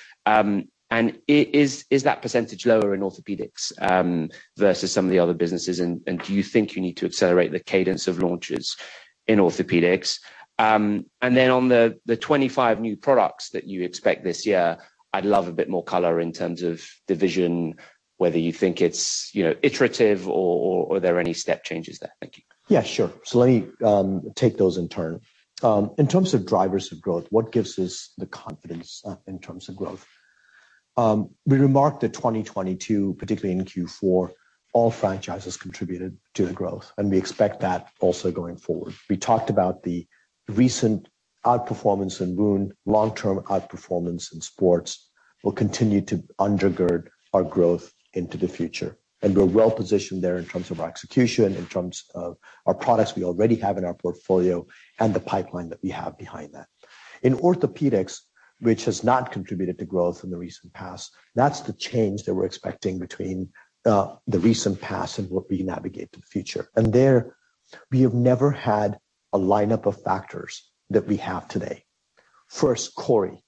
Is that percentage lower in orthopedics versus some of the other businesses? Do you think you need to accelerate the cadence of launches in orthopedics? On the 25 new products that you expect this year, I'd love a bit more color in terms of division, whether you think it's, you know, iterative or are there any step changes there? Thank you. Yeah, sure. Let me take those in turn. In terms of drivers of growth, what gives us the confidence in terms of growth? We remarked that 2022, particularly in Q4, all franchises contributed to the growth. We expect that also going forward. We talked about the recent outperformance in wound, long-term outperformance in sports will continue to undergird our growth into the future. We're well positioned there in terms of our execution, in terms of our products we already have in our portfolio and the pipeline that we have behind that. In orthopedics, which has not contributed to growth in the recent past, that's the change that we're expecting between the recent past and what we navigate to the future. There we have never had a lineup of factors that we have today. First, CORI.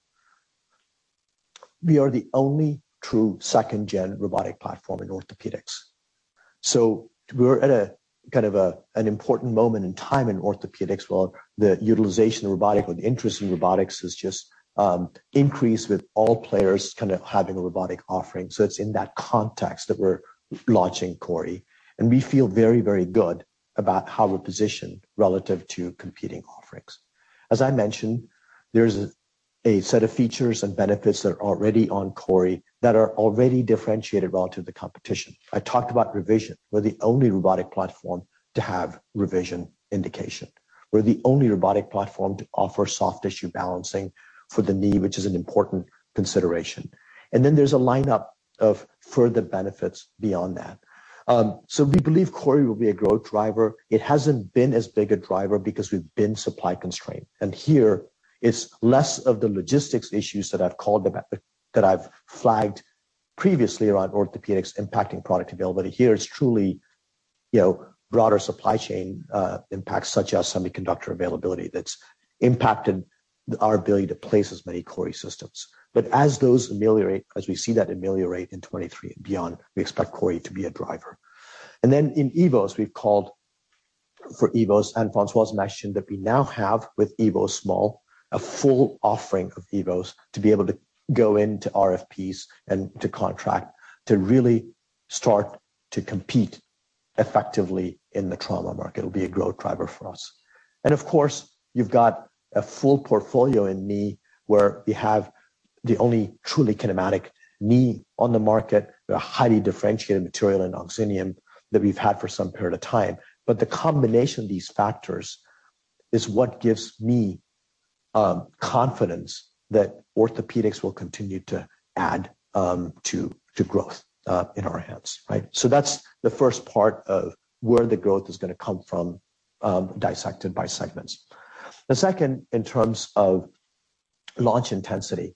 We are the only true second-gen robotic platform in orthopedics. We're at a kind of an important moment in time in orthopedics, while the utilization of robotic or the interest in robotics has just increased with all players kind of having a robotic offering. It's in that context that we're launching CORI, and we feel very, very good about how we're positioned relative to competing offerings. As I mentioned, there's a set of features and benefits that are already on CORI that are already differentiated relative to the competition. I talked about revision. We're the only robotic platform to have revision indication. We're the only robotic platform to offer soft tissue balancing for the knee, which is an important consideration. There's a lineup of further benefits beyond that. We believe CORI will be a growth driver. It hasn't been as big a driver because we've been supply constrained. Here it's less of the logistics issues that I've flagged previously around orthopedics impacting product availability. Here it's truly, you know, broader supply chain impacts such as semiconductor availability that's impacted our ability to place as many CORI systems. As those ameliorate, as we see that ameliorate in 2023 and beyond, we expect CORI to be a driver. Then in EVOS, we've called for EVOS, and Anne-Françoise mentioned that we now have with EVOS SMALL, a full offering of EVOS to be able to go into RFPs and to contract to really start to compete effectively in the trauma market. It'll be a growth driver for us. Of course, you've got a full portfolio in knee where we have the only truly kinematic knee on the market, the highly differentiated material in OXINIUM that we've had for some period of time. The combination of these factors is what gives me confidence that orthopedics will continue to add to growth in our hands, right. That's the first part of where the growth is gonna come from, dissected by segments. The second, in terms of launch intensity.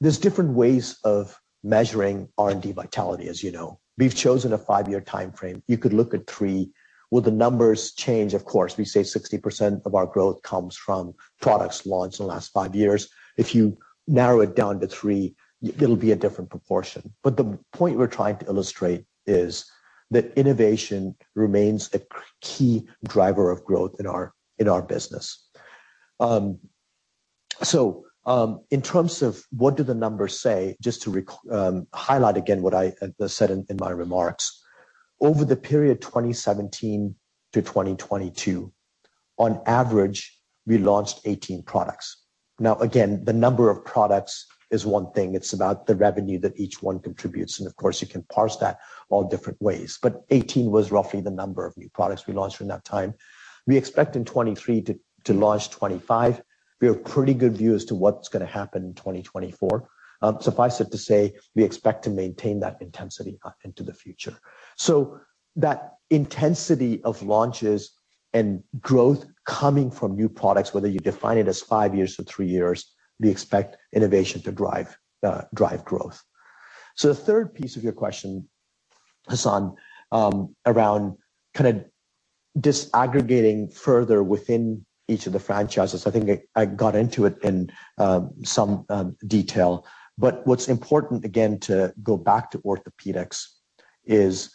There's different ways of measuring R&D vitality, as you know. We've chosen a 5-year timeframe. You could look at 3 years. Will the numbers change? Of course. We say 60% of our growth comes from products launched in the last 5 years. If you narrow it down to 3 years, it'll be a different proportion. The point we're trying to illustrate is that innovation remains a key driver of growth in our business. In terms of what do the numbers say, just to highlight again what I said in my remarks. Over the period 2017 to 2022, on average, we launched 18 products. Again, the number of products is one thing. It's about the revenue that each one contributes, and of course, you can parse that all different ways. 18 products was roughly the number of new products we launched during that time. We expect in 2023 to launch 25 products. We have a pretty good view as to what's gonna happen in 2024. Suffice it to say, we expect to maintain that intensity into the future. That intensity of launches and growth coming from new products, whether you define it as five years or three years, we expect innovation to drive growth. The third piece of your question, Hassan, around kinda disaggregating further within each of the franchises. I think I got into it in some detail. What's important, again, to go back to orthopedics is,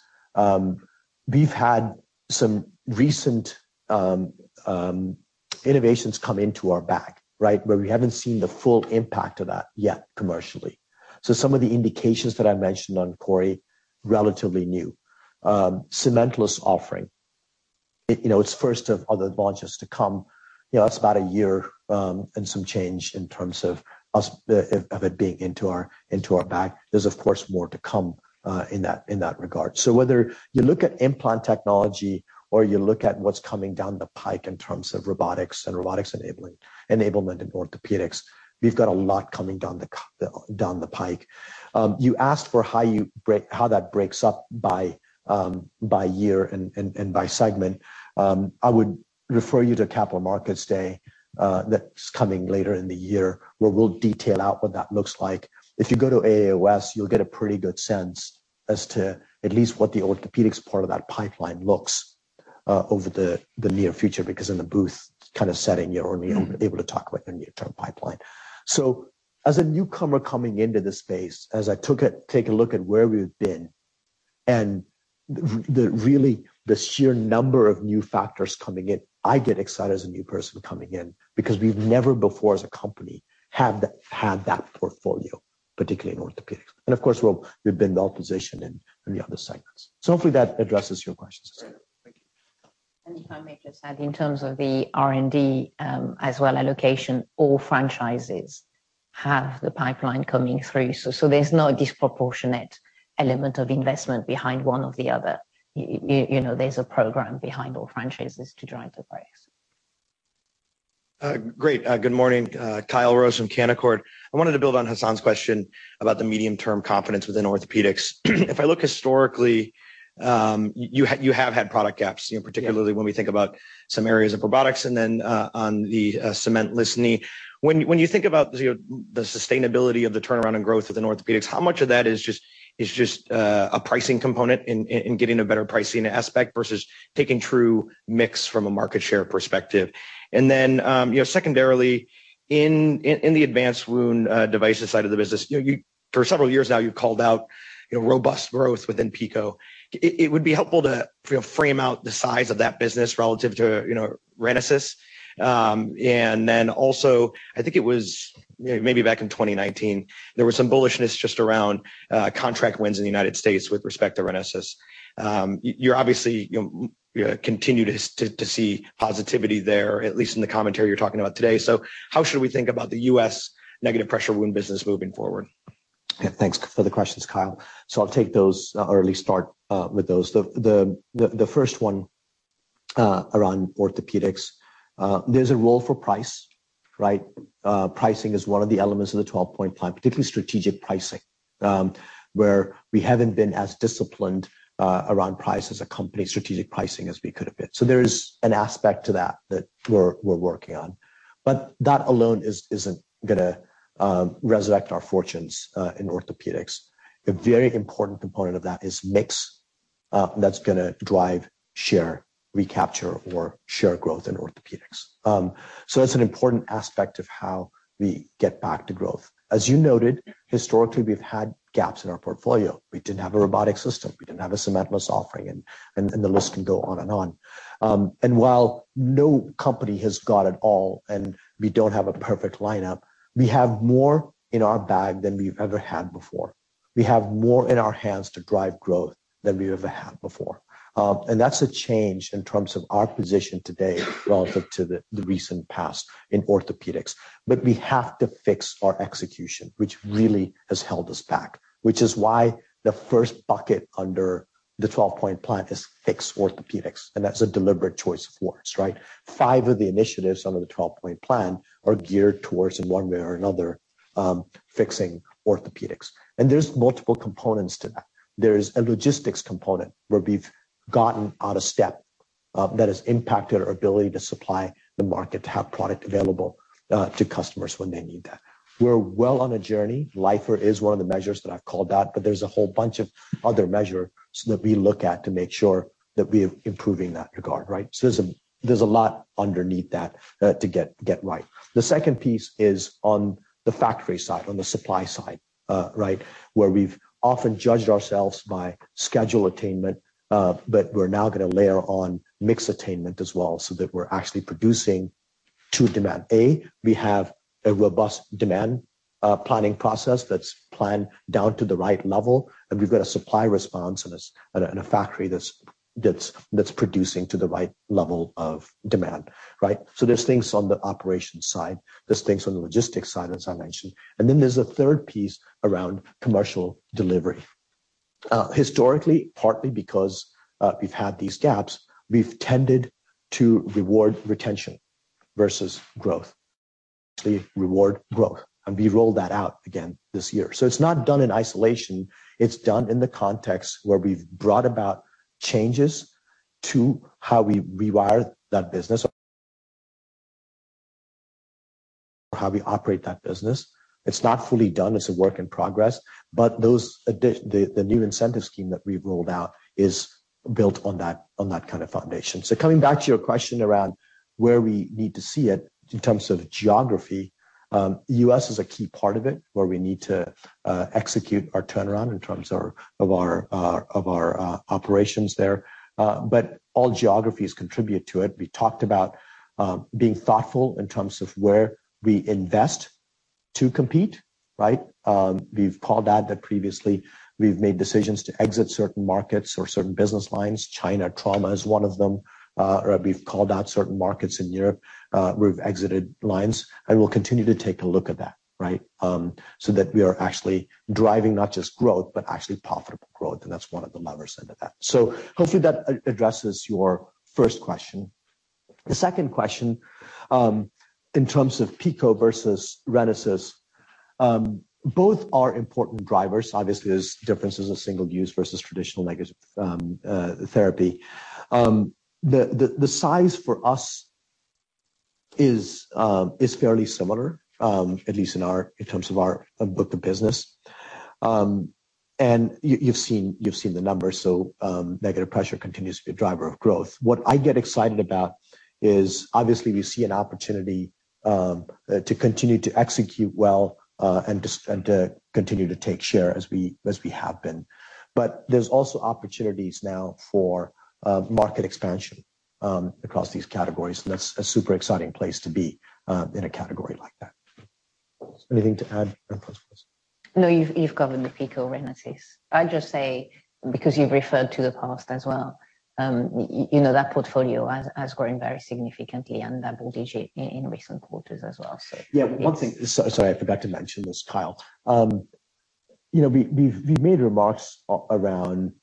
we've had some recent innovations come into our bag, right? Where we haven't seen the full impact of that yet commercially. Some of the indications that I mentioned on CORI, relatively new. Cementless offering. It, you know, it's first of other launches to come. You know, that's about a year and some change in terms of us of it being into our bag. There's of course more to come, in that, in that regard. Whether you look at implant technology or you look at what's coming down the pike in terms of robotics and robotics enablement in orthopedics, we've got a lot coming down the pike. You asked for how that breaks up by year and, and by segment. I would refer you to Capital Markets Day, that's coming later in the year, where we'll detail out what that looks like. If you go to AAOS, you'll get a pretty good sense as to at least what the orthopedics part of that pipeline looks over the near future, because in the booth kinda setting, you're only able to talk about the near-term pipeline. As a newcomer coming into this space, as I take a look at where we've been and the really, the sheer number of new factors coming in, I get excited as a new person coming in because we've never before as a company had that portfolio, particularly in orthopedics. Of course, we've been well-positioned in the other segments. Hopefully that addresses your questions. Great. Thank you. If I may just add, in terms of the R&D, as well, allocation, all franchises have the pipeline coming through, so there's no disproportionate element of investment behind one or the other. You know, there's a program behind all franchises to drive the price. Great. Good morning. Kyle Rose from Canaccord Genuity. I wanted to build on Hassan's question about the medium-term confidence within orthopedics. If I look historically, you know, you have had product gaps, you know, particularly when we think about some areas of robotics and then on the cementless knee. When you think about, you know, the sustainability of the turnaround and growth within orthopedics, how much of that is just a pricing component in getting a better pricing aspect versus taking true mix from a market share perspective? Secondarily, you know, in the advanced wound devices side of the business, you know, for several years now, you've called out, you know, robust growth within PICO. It would be helpful to, you know, frame out the size of that business relative to, you know, RENASYS. Then also, I think it was maybe back in 2019, there was some bullishness just around contract wins in the U.S. with respect to RENASYS. You're obviously, you know, continue to see positivity there, at least in the commentary you're talking about today. How should we think about the U.S. negative-pressure wound business moving forward? Thanks for the questions, Kyle. I'll take those, or at least start with those. The first one, around orthopedics. There's a role for price, right? Pricing is one of the elements of the twelve-point plan, particularly strategic pricing, where we haven't been as disciplined around price as a company, strategic pricing, as we could have been. There's an aspect to that we're working on. But that alone isn't gonna resurrect our fortunes in orthopedics. A very important component of that is mix that's gonna drive share recapture or share growth in orthopedics. That's an important aspect of how we get back to growth. As you noted, historically, we've had gaps in our portfolio. We didn't have a robotic system. We didn't have a cementless offering, and the list can go on and on. While no company has got it all and we don't have a perfect lineup, we have more in our bag than we've ever had before. We have more in our hands to drive growth than we've ever had before. That's a change in terms of our position today relative to the recent past in orthopedics. We have to fix our execution, which really has held us back, which is why the first bucket under the twelve-point plan is fix orthopedics, and that's a deliberate choice of words, right? Five of the initiatives under the twelve-point plan are geared towards, in one way or another, fixing orthopedics. There's multiple components to that. There is a logistics component where we've gotten out of step, that has impacted our ability to supply the market, to have product available to customers when they need that. We're well on a journey. LIFR is one of the measures that I've called out, but there's a whole bunch of other measures that we look at to make sure that we're improving in that regard, right? There's a lot underneath that to get right. The second piece is on the factory side, on the supply side, right, where we've often judged ourselves by schedule attainment, but we're now gonna layer on mix attainment as well so that we're actually producing to demand. We have a robust demand planning process that's planned down to the right level, and we've got a supply response and a factory that's producing to the right level of demand, right. There's things on the operations side, there's things on the logistics side, as I mentioned. Then there's a third piece around commercial delivery. Historically, partly because we've had these gaps, we've tended to reward retention versus growth. We reward growth, and we rolled that out again this year. It's not done in isolation. It's done in the context where we've brought about changes to how we rewire that business or how we operate that business. It's not fully done. It's a work in progress. The new incentive scheme that we've rolled out is built on that, on that kind of foundation. Coming back to your question around where we need to see it in terms of geography, U.S. is a key part of it, where we need to execute our turnaround in terms of our operations there. All geographies contribute to it. We talked about being thoughtful in terms of where we invest to compete, right? We've called out that previously. We've made decisions to exit certain markets or certain business lines. China trauma is one of them. We've called out certain markets in Europe, where we've exited lines, and we'll continue to take a look at that, right? That we are actually driving not just growth, but actually profitable growth, and that's one of the levers into that. Hopefully that addresses your first question. The second question, in terms of PICO versus RENASYS, both are important drivers. Obviously, there's differences of single use versus traditional negative therapy. The size for us is fairly similar, at least in terms of our book of business. You've seen the numbers, so negative pressure continues to be a driver of growth. What I get excited about is obviously we see an opportunity to continue to execute well, and to continue to take share as we have been. There's also opportunities now for market expansion across these categories, and that's a super exciting place to be in a category like that. Anything to add before I close? No, you've covered the PICO RENASYS. I'll just say, because you've referred to the past as well, you know, that portfolio has grown very significantly and that will digit in recent quarters as well. Yeah. One thing, sorry, I forgot to mention this, Kyle. you know, we've made remarks around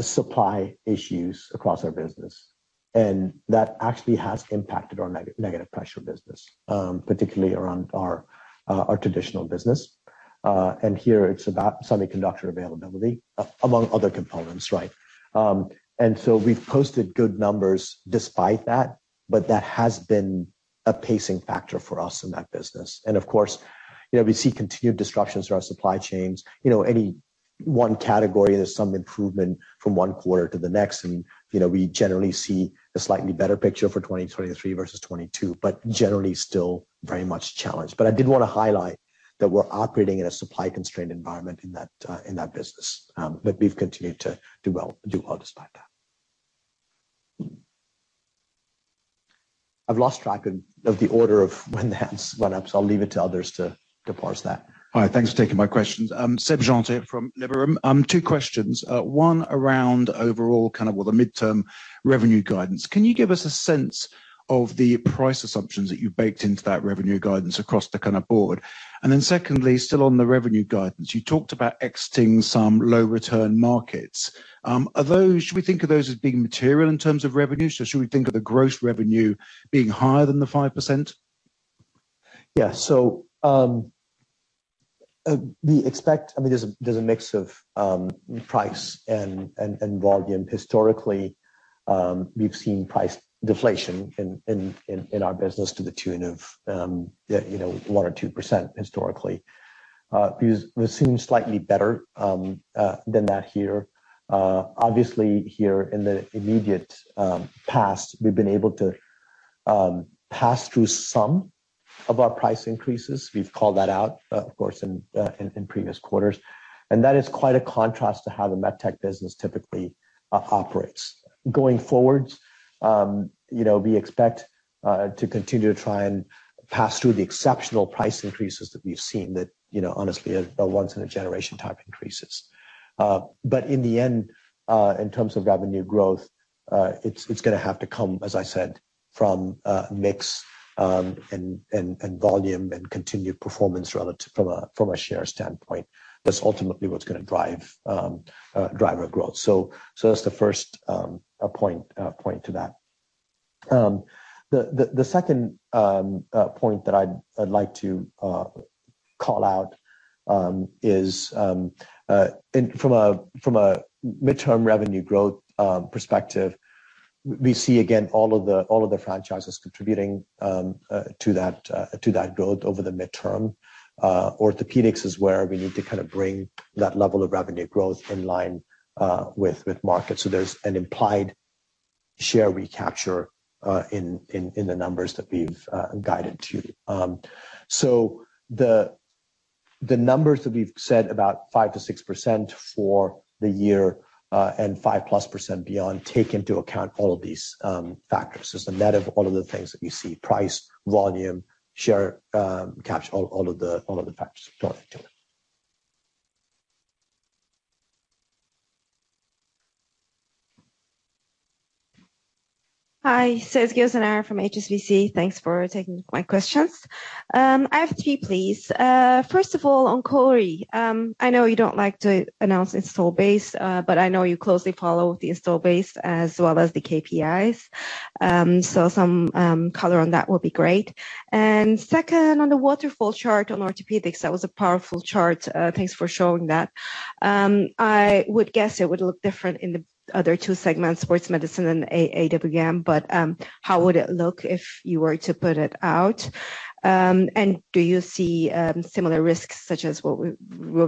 supply issues across our business, that actually has impacted our Negative-pressure business, particularly around our traditional business. Here it's about semiconductor availability among other components, right? we've posted good numbers despite that, but that has been a pacing factor for us in that business. Of course, you know, we see continued disruptions to our supply chains. You know, any one category, there's some improvement from one quarter to the next. you know, we generally see a slightly better picture for 2023 versus 2022, but generally still very much challenged. I did wanna highlight that we're operating in a supply constrained environment in that in that business. We've continued to do well despite that. I've lost track of the order of when the hands went up, I'll leave it to others to parse that. All right. Thanks for taking my questions. Seb Jantet from Panmure Liberum. Two questions. One around overall kind of the midterm revenue guidance. Can you give us a sense of the price assumptions that you've baked into that revenue guidance across the kind of board? Secondly, still on the revenue guidance, you talked about exiting some low return markets. Should we think of those as being material in terms of revenue? Should we think of the gross revenue being higher than the 5%? Yeah. I mean, there's a mix of price and volume. Historically, we've seen price deflation in our business to the tune of, you know, 1% or 2% historically. We're seeing slightly better than that here. Obviously here in the immediate past, we've been able to pass through some of our price increases. We've called that out, of course, in previous quarters. That is quite a contrast to how the MedTech business typically operates. Going forward, you know, we expect to continue to try and pass through the exceptional price increases that we've seen that, you know, honestly are once in a generation type increases. In the end, in terms of revenue growth, it's gonna have to come, as I said, from mix, and volume and continued performance relative from a share standpoint. That's ultimately what's gonna drive driver growth. That's the first point to that. The second point that I'd like to call out is from a midterm revenue growth perspective, we see, again, all of the franchises contributing to that growth over the midterm. Orthopedics is where we need to kind of bring that level of revenue growth in line with market. There's an implied share recapture in the numbers that we've guided to. The numbers that we've said about 5%-6% for the year, and 5%+ beyond take into account all of these factors. There's a net of all of the things that we see, price, volume, share, capture, all of the factors brought into it. Hi, Sezgi Oezener from HSBC. Thanks for taking my questions. I have three, please. First of all, on CORI. I know you don't like to announce install base, but I know you closely follow the install base as well as the KPIs. Some color on that will be great. Second, on the waterfall chart on orthopedics, that was a powerful chart. Thanks for showing that. I would guess it would look different in the other two segments, Sports Medicine and AWM, but how would it look if you were to put it out? Do you see similar risks such as what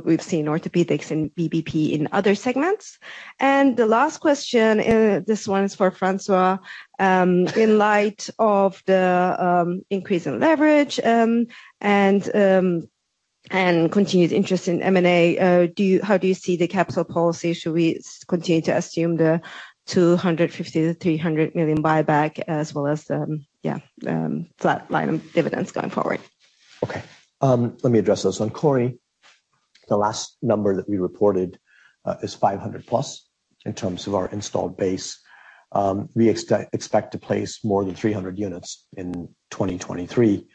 we've seen in orthopedics and VBP in other segments? The last question, this one is for Anne-Françoise. In light of the increase in leverage, and continued interest in M&A, how do you see the capital policy? Should we continue to assume the $250 million-$300 million buyback as well as flat line of dividends going forward? Okay. Let me address those. On CORI, the last number that we reported is 500+ in terms of our installed base. We expect to place more than 300 units in 2023.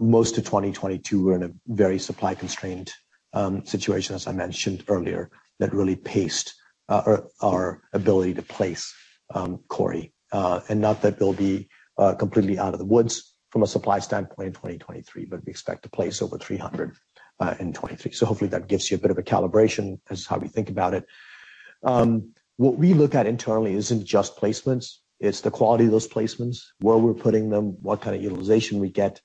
Most of 2022, we're in a very supply constrained situation, as I mentioned earlier, that really paced our ability to place CORI. Not that they'll be completely out of the woods from a supply standpoint in 2023, but we expect to place over 300 in 2023. Hopefully, that gives you a bit of a calibration as to how we think about it. What we look at internally isn't just placements, it's the quality of those placements, where we're putting them, what kind of utilization we get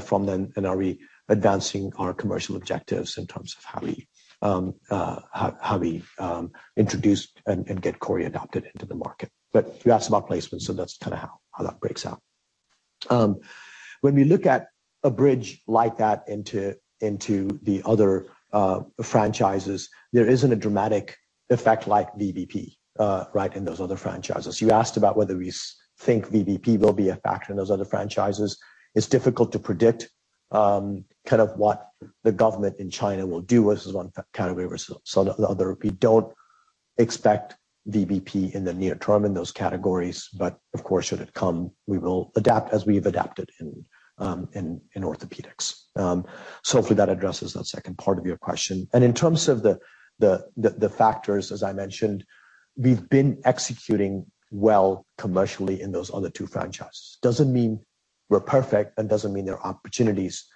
from them, and are we advancing our commercial objectives in terms of how we introduce and get CORI adopted into the market. You asked about placements, so that's kinda how that breaks out. When we look at a bridge like that into the other franchises, there isn't a dramatic effect like VBP, right, in those other franchises. You asked about whether we think VBP will be a factor in those other franchises. It's difficult to predict kind of what the government in China will do, which is one category versus another. We don't expect VBP in the near term in those categories. Of course, should it come, we will adapt as we've adapted in orthopedics. Hopefully that addresses that second part of your question. In terms of the factors, as I mentioned, we've been executing well commercially in those other two franchises. Doesn't mean we're perfect and doesn't mean there are opportunities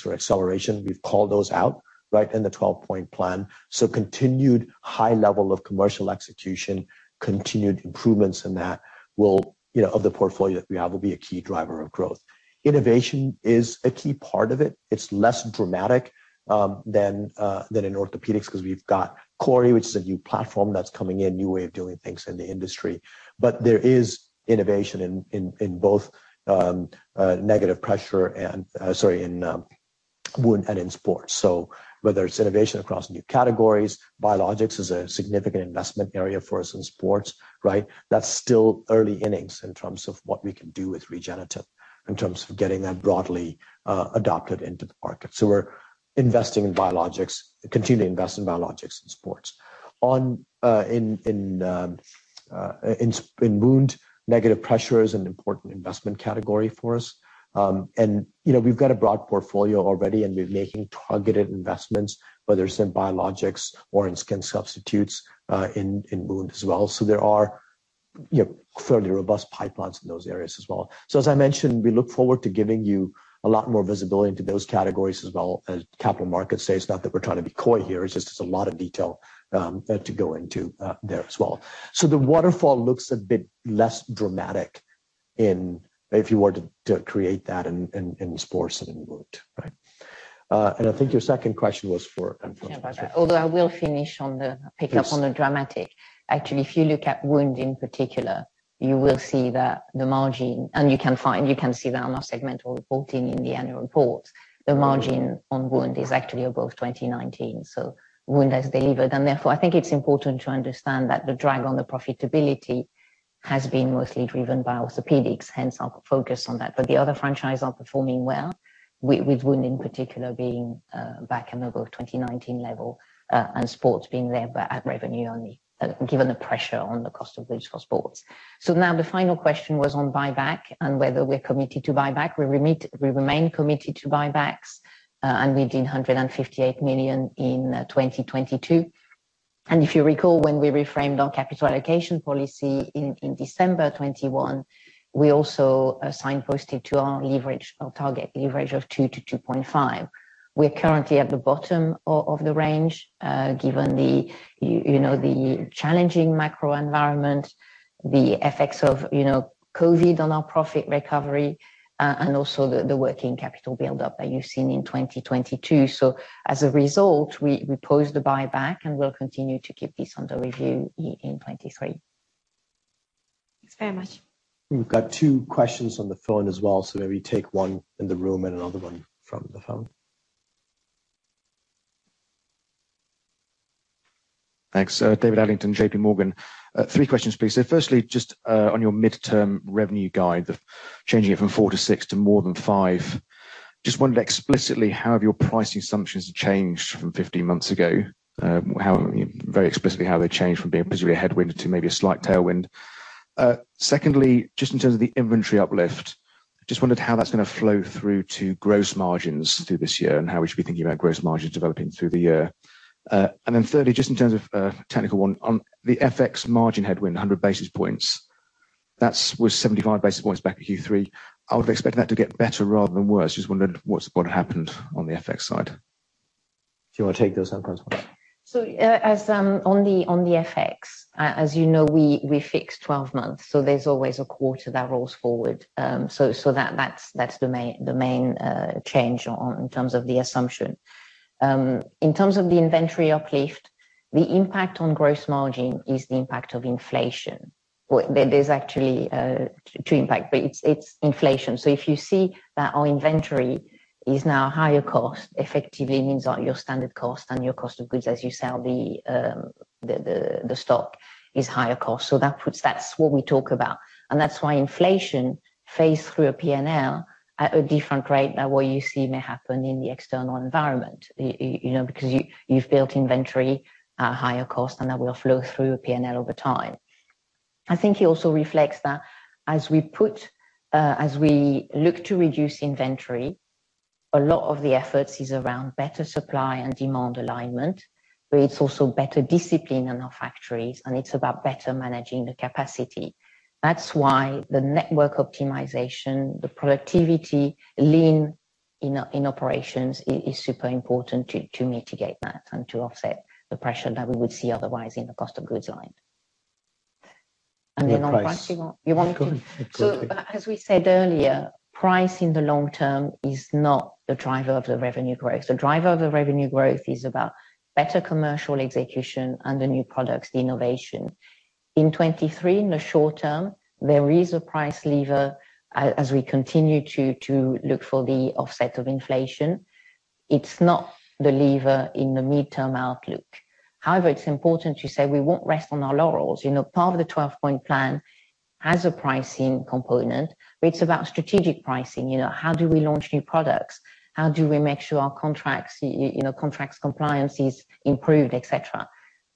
for acceleration. We've called those out, right, in the twelve-point plan. Continued high level of commercial execution, continued improvements in that will, you know, of the portfolio that we have, will be a key driver of growth. Innovation is a key part of it. It's less dramatic than in orthopedics because we've got CORI, which is a new platform that's coming in, new way of doing things in the industry. There is innovation in both negative pressure and wound and in sports. Whether it's innovation across new categories, biologics is a significant investment area for us in sports, right? That's still early innings in terms of what we can do with regenerative, in terms of getting that broadly adopted into the market. We're investing in biologics, continue to invest in biologics and sports. On in wound, negative pressure is an important investment category for us. You know, we've got a broad portfolio already, and we're making targeted investments, whether it's in biologics or in skin substitutes, in wound as well. There are, you know, fairly robust pipelines in those areas as well. As I mentioned, we look forward to giving you a lot more visibility into those categories as well as Capital Markets Day. Not that we're trying to be coy here, it's just there's a lot of detail to go into there as well. The waterfall looks a bit less dramatic if you were to create that in sports and in wound, right. I think your second question was for Anne-Françoise. Yeah. Although I will finish on the—pick up on the dramatic. If you look at wound in particular, you will see that the margin, and you can see that on our segmental reporting in the annual report. The margin on wound is actually above 2019. Wound has delivered. Therefore, I think it's important to understand that the drag on the profitability has been mostly driven by orthopedics, hence our focus on that. The other franchise are performing well, with wound in particular being back and above 2019 level, and sports being there, but at revenue only, given the pressure on the COGS for sports. Now the final question was on buyback and whether we're committed to buyback. We remain committed to buybacks, and we did $158 million in 2022. If you recall, when we reframed our capital allocation policy in December 2021, we also signposted to our leverage, our target leverage of 2x-2.5x. We're currently at the bottom of the range, given the, you know, the challenging macro environment, the effects of, you know, COVID on our profit recovery, and also the working capital buildup that you've seen in 2022. As a result, we paused the buyback and we'll continue to keep this under review in 2023. Thanks very much. We've got two questions on the phone as well. Maybe take one in the room and another one from the phone. Thanks. David Adlington, J.P. Morgan. 3 questions, please. Firstly, just on your midterm revenue guide of changing it from 4%-6% to more than 5%, just wondered explicitly how have your pricing assumptions changed from 15 months ago? How, very explicitly, how they changed from being presumably a headwind to maybe a slight tailwind. Secondly, just in terms of the inventory uplift. Just wondered how that's gonna flow through to gross margins through this year and how we should be thinking about gross margins developing through the year. Thirdly, just in terms of technical one, on the FX margin headwind, 100 basis points. That's was 75 basis points back in Q3. I would expect that to get better rather than worse. Just wondering what's, what happened on the FX side. Do you wanna take those, Anne-Françoise? As on the FX, as you know, we fixed 12 months, so there's always a quarter that rolls forward. That's the main change on in terms of the assumption. In terms of the inventory uplift, the impact on gross margin is the impact of inflation. Well, there's actually two impact, but it's inflation. If you see that our inventory is now higher cost, effectively means that your standard cost and your cost of goods as you sell the stock is higher cost. That puts. That's what we talk about. That's why inflation phased through a P&L at a different rate than what you see may happen in the external environment. You know, because you've built inventory at a higher cost. That will flow through a P&L over time. I think it also reflects that as we put, as we look to reduce inventory, a lot of the efforts is around better supply and demand alignment. It's also better discipline in our factories. It's about better managing the capacity. That's why the network optimization, the productivity lean in operations is super important to mitigate that and to offset the pressure that we would see otherwise in the cost of goods line. On pricing- Price. You want me to- Go on. As we said earlier, price in the long term is not the driver of the revenue growth. The driver of the revenue growth is about better commercial execution and the new products, the innovation. In 2023, in the short term, there is a price lever as we continue to look for the offset of inflation. It's not the lever in the midterm outlook. However, it's important to say we won't rest on our laurels. You know, part of the twelve-point plan has a pricing component, but it's about strategic pricing. You know, how do we launch new products? How do we make sure our contracts you know, contracts compliance is improved, et cetera.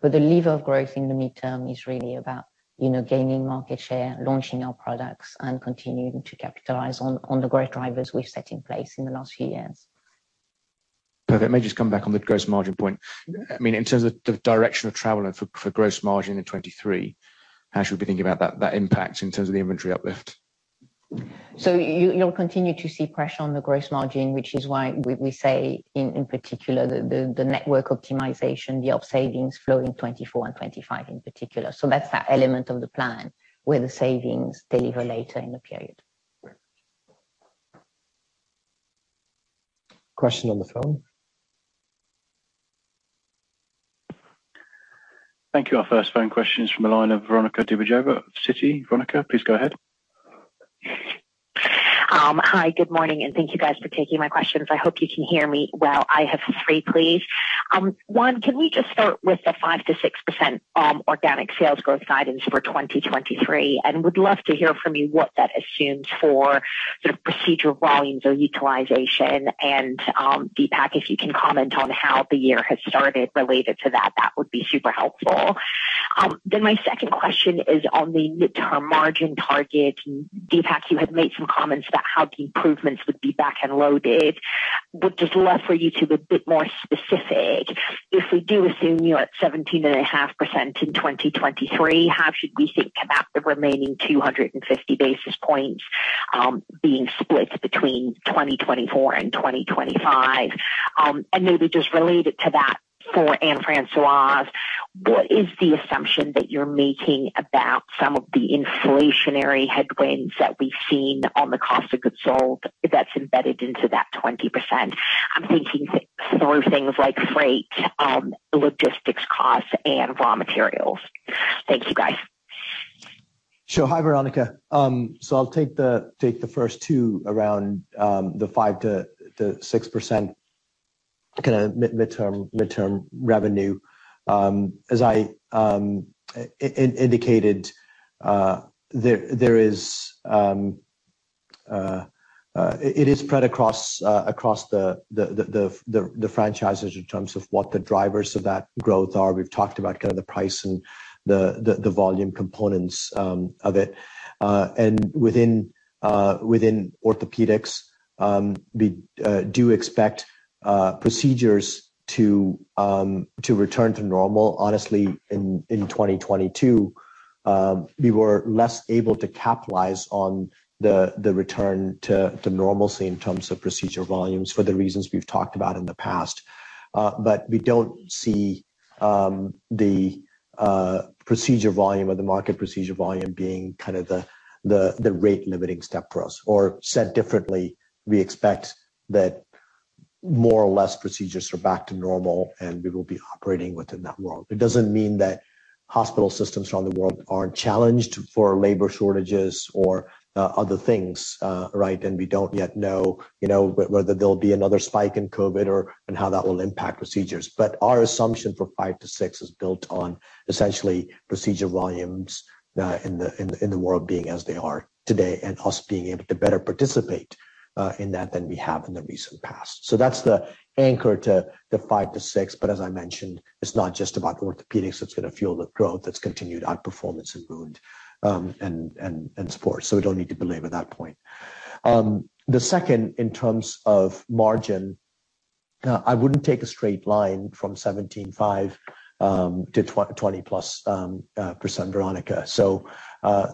The lever of growth in the midterm is really about, you know, gaining market share, launching our products, and continuing to capitalize on the growth drivers we've set in place in the last few years. Perfect. May just come back on the gross margin point. I mean, in terms of the direction of travel and for gross margin in 2023, how should we be thinking about that impact in terms of the inventory uplift? You'll continue to see pressure on the gross margin, which is why we say in particular the network optimization, the up savings flow in 2024 and 2025 in particular. That's that element of the plan where the savings deliver later in the period. Question on the phone. Thank you. Our first phone question is from the line of Veronika Dubajova of Citi. Veronica, please go ahead. Hi, good morning, and thank you guys for taking my questions. I hope you can hear me well. I have three, please. One, can we just start with the 5%-6% organic sales growth guidance for 2023? Would love to hear from you what that assumes for sort of procedure volumes or utilization. Deepak, if you can comment on how the year has started related to that would be super helpful. My second question is on the midterm margin target. Deepak, you had made some comments about how the improvements would be back-end loaded. Would just love for you to be a bit more specific. If we do assume you're at 17.5% in 2023, how should we think about the remaining 250 basis points being split between 2024 and 2025? Maybe just related to that for Anne-Françoise, what is the assumption that you're making about some of the inflationary headwinds that we've seen on the cost of goods sold that's embedded into that 20%? I'm thinking through things like freight, logistics costs and raw materials. Thank you, guys. Sure. Hi, Veronika. I'll take the first two around the 5%-6% kinda midterm revenue. As I indicated, it is spread across the franchises in terms of what the drivers of that growth are. We've talked about kind of the price and the volume components of it. Within orthopedics, we do expect procedures to return to normal. Honestly, in 2022, we were less able to capitalize on the return to normalcy in terms of procedure volumes for the reasons we've talked about in the past. Uh, but we don't see, um, the, uh, procedure volume or the market procedure volume being kind of the, the, the rate limiting step for us. Or said differently, we expect that more or less procedures are back to normal, and we will be operating within that world. It doesn't mean that hospital systems around the world aren't challenged for labor shortages or, uh, other things, uh, right? And we don't yet know, you know, whether there'll be another spike in COVID or, and how that will impact procedures. But our assumption for five to six is built on essentially procedure volumes, uh, in the, in the, in the world being as they are today and us being able to better participate in that than we have in the recent past. That's the anchor to the 5%-6%, but as I mentioned, it's not just about orthopedics that's gonna fuel the growth, it's continued outperformance in wound and sports. We don't need to belabor that point. The second, in terms of margin, I wouldn't take a straight line from 17.5% to 20%+ Veronika.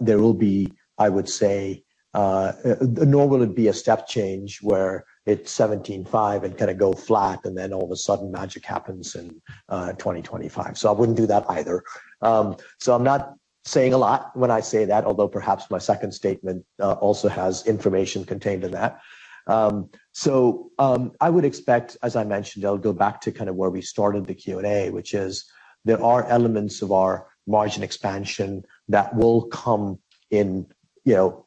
There will be, I would say, nor will it be a step change where it's 17.5% and kinda go flat, and then all of a sudden magic happens in 2025. I wouldn't do that either. I'm not saying a lot when I say that, although perhaps my second statement also has information contained in that. I would expect, as I mentioned, I'll go back to kind of where we started the Q&A, which is there are elements of our margin expansion that will come in, you know,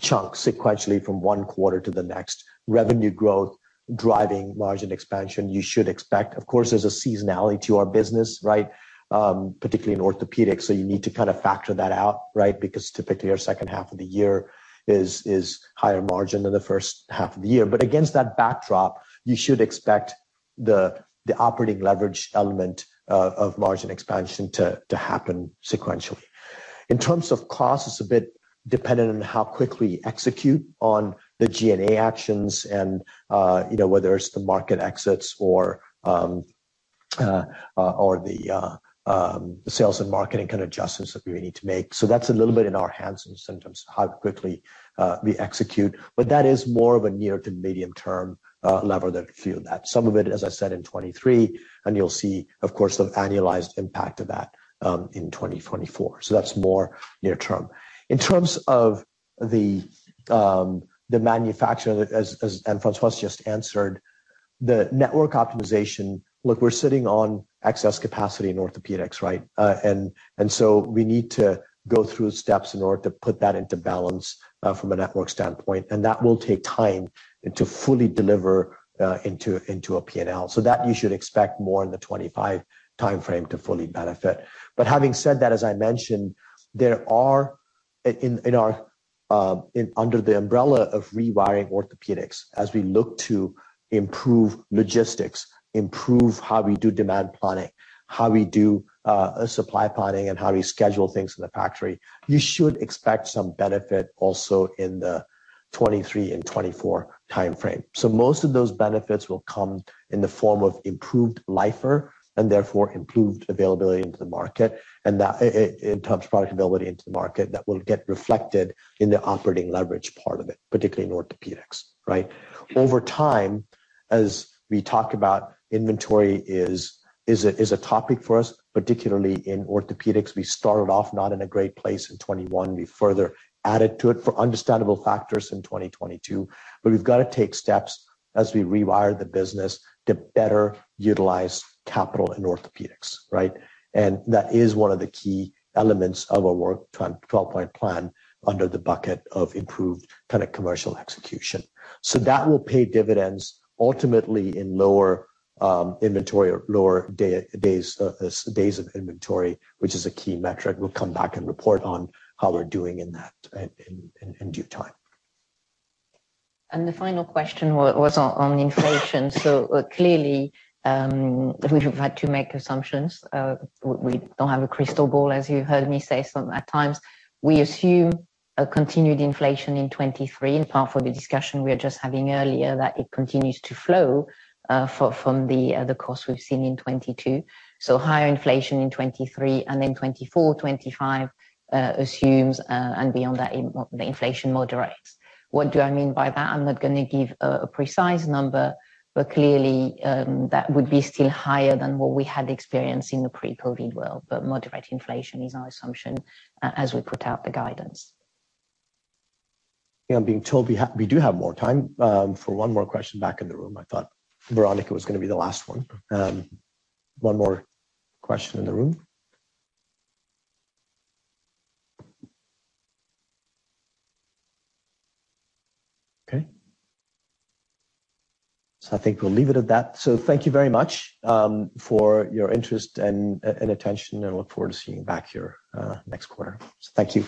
chunks sequentially from one quarter to the next. Revenue growth driving margin expansion, you should expect. Of course, there's a seasonality to our business, right? Particularly in orthopedics, you need to kind of factor that out, right? Typically, our second half of the year is higher margin than the first half of the year. Against that backdrop, you should expect the operating leverage element of margin expansion to happen sequentially. In terms of cost, it's a bit dependent on how quickly you execute on the G&A actions and, you know, whether it's the market exits or the sales and marketing kind of adjustments that we need to make. That's a little bit in our hands in terms of how quickly we execute. That is more of a near to medium term lever that fuel that. Some of it, as I said, in 2023, and you'll see, of course, the annualized impact of that in 2024. That's more near term. In terms of the manufacturer, as Anne-Françoise just answered, the network optimization. Look, we're sitting on excess capacity in orthopedics, right? We need to go through steps in order to put that into balance from a network standpoint, and that will take time and to fully deliver into a P&L. You should expect more in the 2025 timeframe to fully benefit. Having said that, as I mentioned, there are in our, in under the umbrella of rewiring orthopedics, as we look to improve logistics, improve how we do demand planning, how we do supply planning, and how we schedule things in the factory, you should expect some benefit also in the 2023 and 2024 timeframe. Most of those benefits will come in the form of improved LIFR and therefore improved availability into the market, in terms of product availability into the market, that will get reflected in the operating leverage part of it, particularly in orthopedics, right? Over time, as we talk about inventory is a topic for us, particularly in orthopedics. We started off not in a great place in 2021. We further added to it for understandable factors in 2022, we've got to take steps as we rewire the business to better utilize capital in orthopedics, right? That is one of the key elements of our work plan, twelve-point plan under the bucket of improved kind of commercial execution. That will pay dividends ultimately in lower inventory or lower days of inventory, which is a key metric. We'll come back and report on how we're doing in that in due time. The final question was on inflation. Clearly, we've had to make assumptions. We, we don't have a crystal ball, as you heard me say some at times. We assume a continued inflation in 2023, in part for the discussion we were just having earlier that it continues to flow from the costs we've seen in 2022. Higher inflation in 2023 and then 2024, 2025 assumes, and beyond that the inflation moderates. What do I mean by that? I'm not gonna give a precise number, but clearly, that would be still higher than what we had experienced in the pre-COVID world, but moderate inflation is our assumption as we put out the guidance. I'm being told we do have more time for one more question back in the room. I thought Veronika was gonna be the last one. One more question in the room. Okay. I think we'll leave it at that. Thank you very much for your interest and attention, and I look forward to seeing you back here next quarter. Thank you.